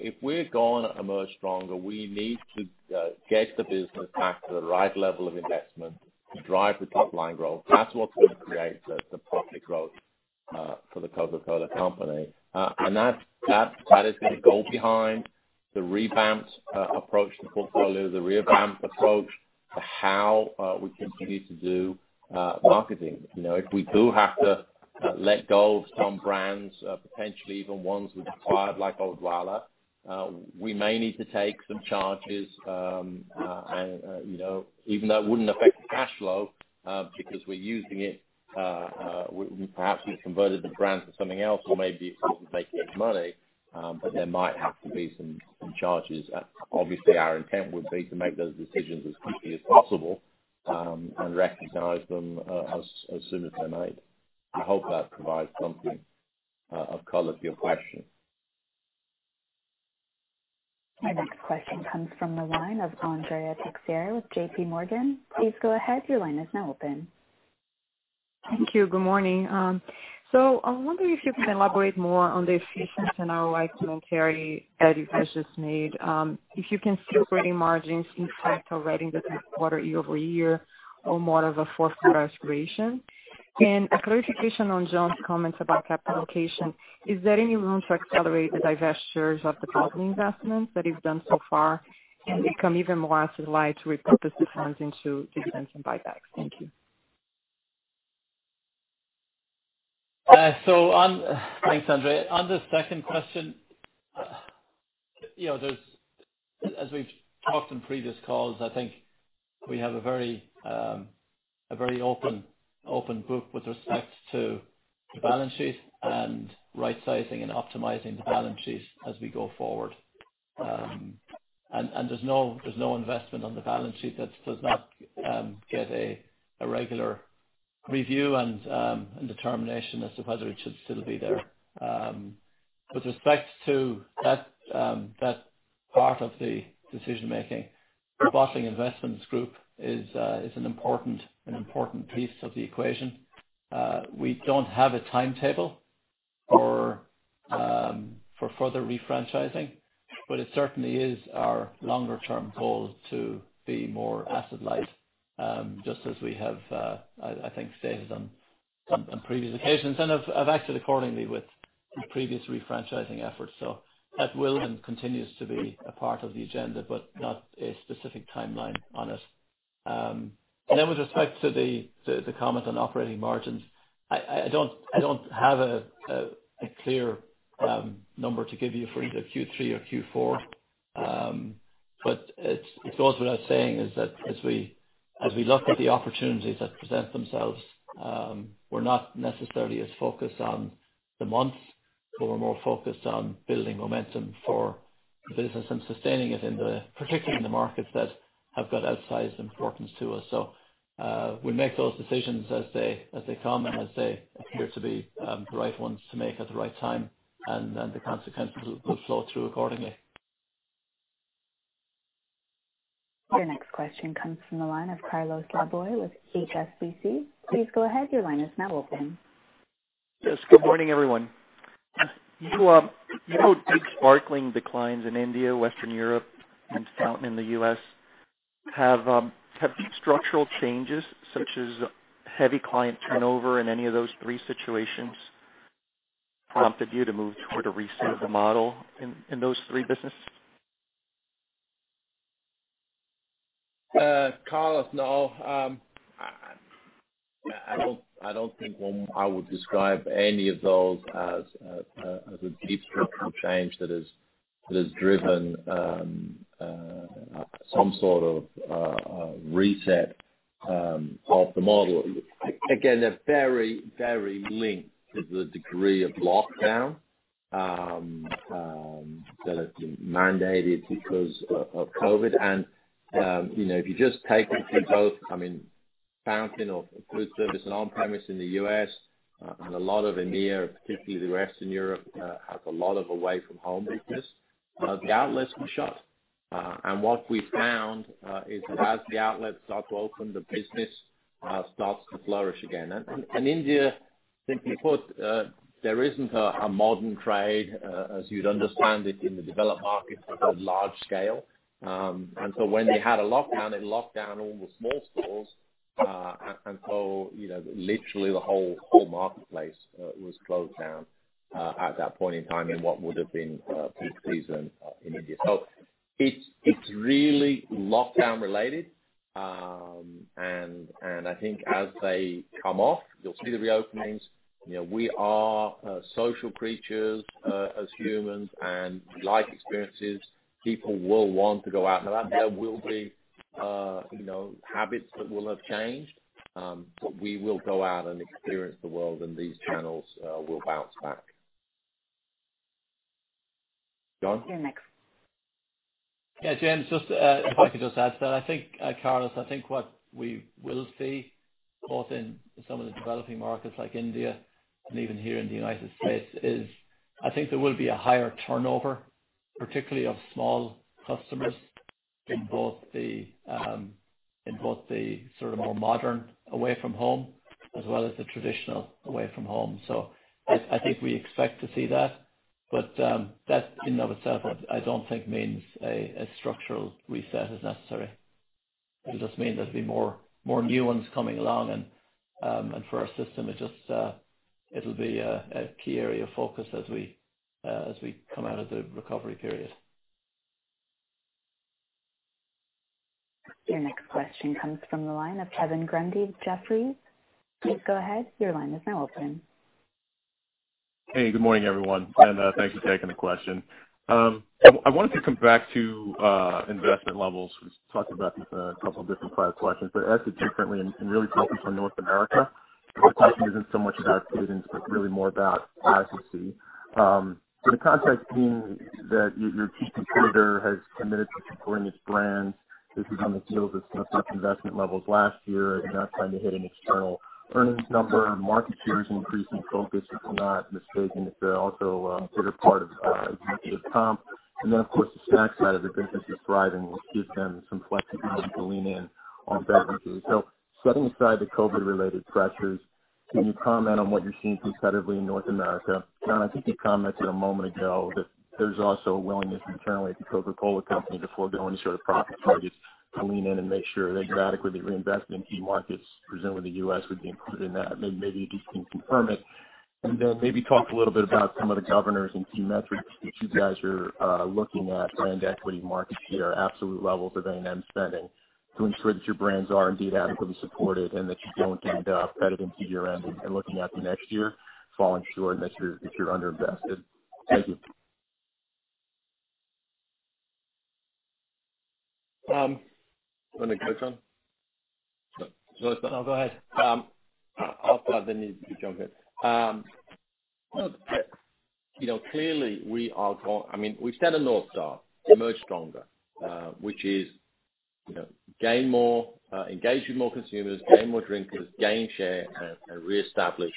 if we're going to emerge stronger, we need to get the business back to the right level of investment to drive the top-line growth. That's what's going to create the profit growth for The Coca-Cola Company. That is the goal behind the revamped approach to the portfolio, the revamped approach to how we continue to do marketing. If we do have to let go of some brands, potentially even ones we've acquired, like Odwalla, we may need to take some charges, even though it wouldn't affect the cash flow because we're using it. Perhaps we've converted the brand to something else, or maybe it doesn't make much money, but there might have to be some charges. Obviously, our intent would be to make those decisions as quickly as possible and recognize them as soon as they're made. I hope that provides something of color to your question. Our next question comes from the line of Andrea Teixeira with JPMorgan. Please go ahead. Your line is now open. Thank you. Good morning. I wonder if you can elaborate more on the efficiency ROI commentary that you guys just made. If you can see operating margins impact or leading the third quarter year-over-year or more of a fourth-quarter aspiration. A clarification on John's comments about capital allocation. Is there any room to accelerate the divestitures of the bottling investments that you've done so far and become even more asset-light to repurpose the funds into dividends and buybacks? Thank you. Thanks, Andrea. On the second question, as we've talked in previous calls, I think we have a very open book with respect to the balance sheet and right-sizing and optimizing the balance sheet as we go forward. There's no investment on the balance sheet that does not get a regular review and determination as to whether it should still be there. With respect to that part of the decision-making, the bottling investments group is an important piece of the equation. We don't have a timetable for further refranchising, but it certainly is our longer-term goal to be more asset-light, just as we have, I think, stated on some previous occasions and have acted accordingly with the previous refranchising efforts. That will and continues to be a part of the agenda, but not a specific timeline on it. With respect to the comment on operating margins, I don't have a clear number to give you for either Q3 or Q4. It goes without saying is that as we look at the opportunities that present themselves, we're not necessarily as focused on the months, but we're more focused on building momentum for the business and sustaining it, particularly in the markets that have got outsized importance to us. We make those decisions as they come and as they appear to be the right ones to make at the right time, and then the consequences will flow through accordingly. Your next question comes from the line of Carlos Laboy with HSBC. Please go ahead. Your line is now open. Yes. Good morning, everyone. You had deep sparkling declines in India, Western Europe, and fountain in the U.S. Have structural changes, such as heavy client turnover in any of those three situations, prompted you to move toward a reset of the model in those three businesses? Carlos, no. I don't think I would describe any of those as a deep structural change that has driven some sort of reset of the model. Again, they're very linked to the degree of lockdown that has been mandated because of COVID. If you just take it for both, fountain or food service and on-premise in the U.S. and a lot of EMEA, particularly the Western Europe, has a lot of away-from-home business. The outlets were shut. What we found is that as the outlets start to open, the business starts to flourish again. In India, simply put, there isn't a modern trade, as you'd understand it in the developed markets, at that large scale. When they had a lockdown, it locked down all the small stores. Literally the whole marketplace was closed down at that point in time in what would have been peak season in India. It's really lockdown related, and I think as they come off, you'll see the reopenings. We are social creatures as humans and we like experiences. People will want to go out. Now, there will be habits that will have changed, but we will go out and experience the world, and these channels will bounce back. John? You're next. Yeah, James, if I could just add to that. Carlos, I think what we will see, both in some of the developing markets like India and even here in the U.S., is I think there will be a higher turnover, particularly of small customers in both the sort of more modern away-from-home as well as the traditional away-from-home. I think we expect to see that, but that in and of itself, I don't think means a structural reset is necessary. It'll just mean there'll be more new ones coming along, and for our system, it'll be a key area of focus as we come out of the recovery period. Your next question comes from the line of Kevin Grundy, Jefferies. Please go ahead. Your line is now open. Hey, good morning, everyone, and thanks for taking the question. I wanted to come back to investment levels. We've talked about this a couple of different prior questions, but ask it differently and really focused on North America. The question isn't so much about cadence, but really more about efficacy. The context being that your key competitor has committed to supporting its brands. This was on the heels of some tough investment levels last year and now trying to hit an external earnings number. Market share is an increasing focus, if I'm not mistaken. It's also a bigger part of executive comp. Of course, the snack side of the business is thriving, which gives them some flexibility to lean in on beverages. Setting aside the COVID-related pressures, can you comment on what you're seeing competitively in North America? John, I think you commented a moment ago that there's also a willingness internally at The Coca-Cola Company to forego any sort of profit targets to lean in and make sure that you're adequately reinvesting in key markets. Presumably, the U.S. would be included in that. Maybe you just can confirm it, and then maybe talk a little bit about some of the governors and key metrics that you guys are looking at, brand equity, market share, absolute levels of A&M spending to ensure that your brands are indeed adequately supported and that you don't end up headed into year-end and looking at the next year falling short and that you're under-invested. Thank you. You want me to go, John? Go ahead. I'll start, then you can jump in. Clearly, we set a North Star, emerge stronger, which is gain more, engage with more consumers, gain more drinkers, gain share, and reestablish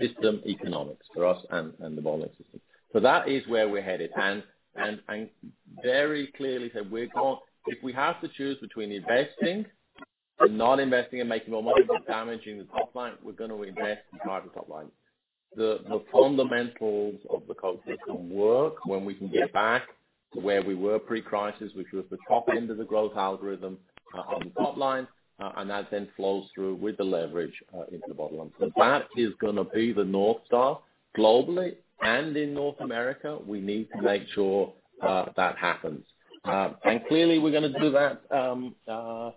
system economics for us and the bottle ecosystem. That is where we're headed, and very clearly say if we have to choose between investing and not investing and making more money but damaging the top line, we're going to invest and drive the top line. The fundamentals of the Coke system work when we can get back to where we were pre-crisis, which was the top end of the growth algorithm on the top line, and that then flows through with the leverage into the bottom line. That is going to be the North Star globally and in North America. We need to make sure that happens. Clearly, we're going to do that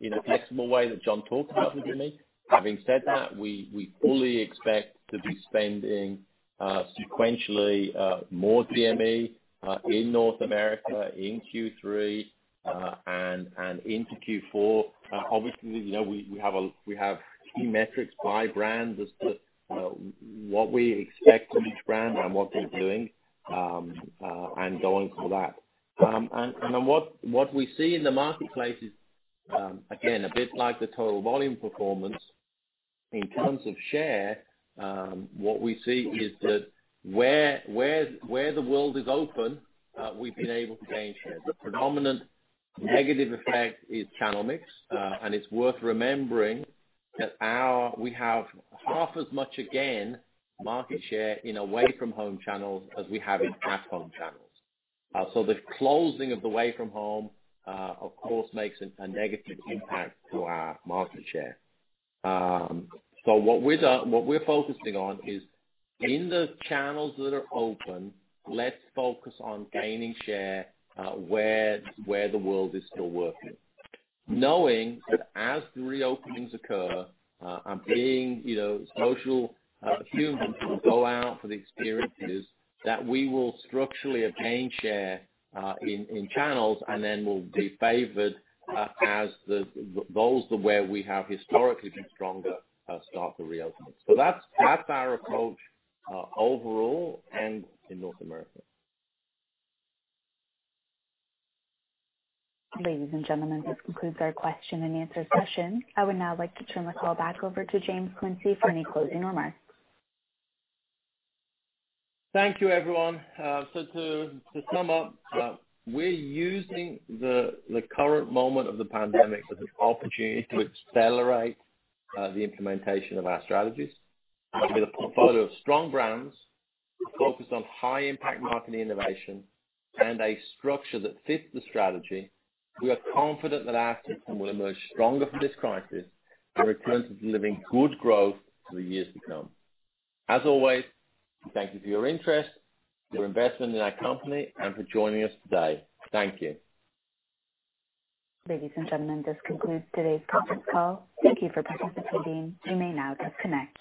in a flexible way that John talked about with me. Having said that, we fully expect to be spending sequentially more DME in North America in Q3 and into Q4. Obviously, we have key metrics by brand as to what we expect from each brand and what they're doing and going for that. Then what we see in the marketplace is, again, a bit like the total volume performance. In terms of share, what we see is that where the world is open, we've been able to gain share. The predominant negative effect is channel mix, and it's worth remembering that we have half as much again market share in away-from-home channels as we have in at-home channels. The closing of the away-from-home, of course, makes a negative impact to our market share. What we're focusing on is in the channels that are open, let's focus on gaining share where the world is still working, knowing that as the reopenings occur and being social humans, we will go out for the experiences, that we will structurally have gained share in channels and then will be favored as those where we have historically been stronger start to reopen. That's our approach overall and in North America. Ladies and gentlemen, this concludes our question-and-answer session. I would now like to turn the call back over to James Quincey for any closing remarks. Thank you, everyone. To sum up, we're using the current moment of the pandemic as an opportunity to accelerate the implementation of our strategies with a portfolio of strong brands focused on high-impact marketing innovation and a structure that fits the strategy. We are confident that our system will emerge stronger from this crisis and return to delivering good growth for the years to come. As always, thank you for your interest, your investment in our company, and for joining us today. Thank you. Ladies and gentlemen, this concludes today's conference call. Thank you for participating. You may now disconnect.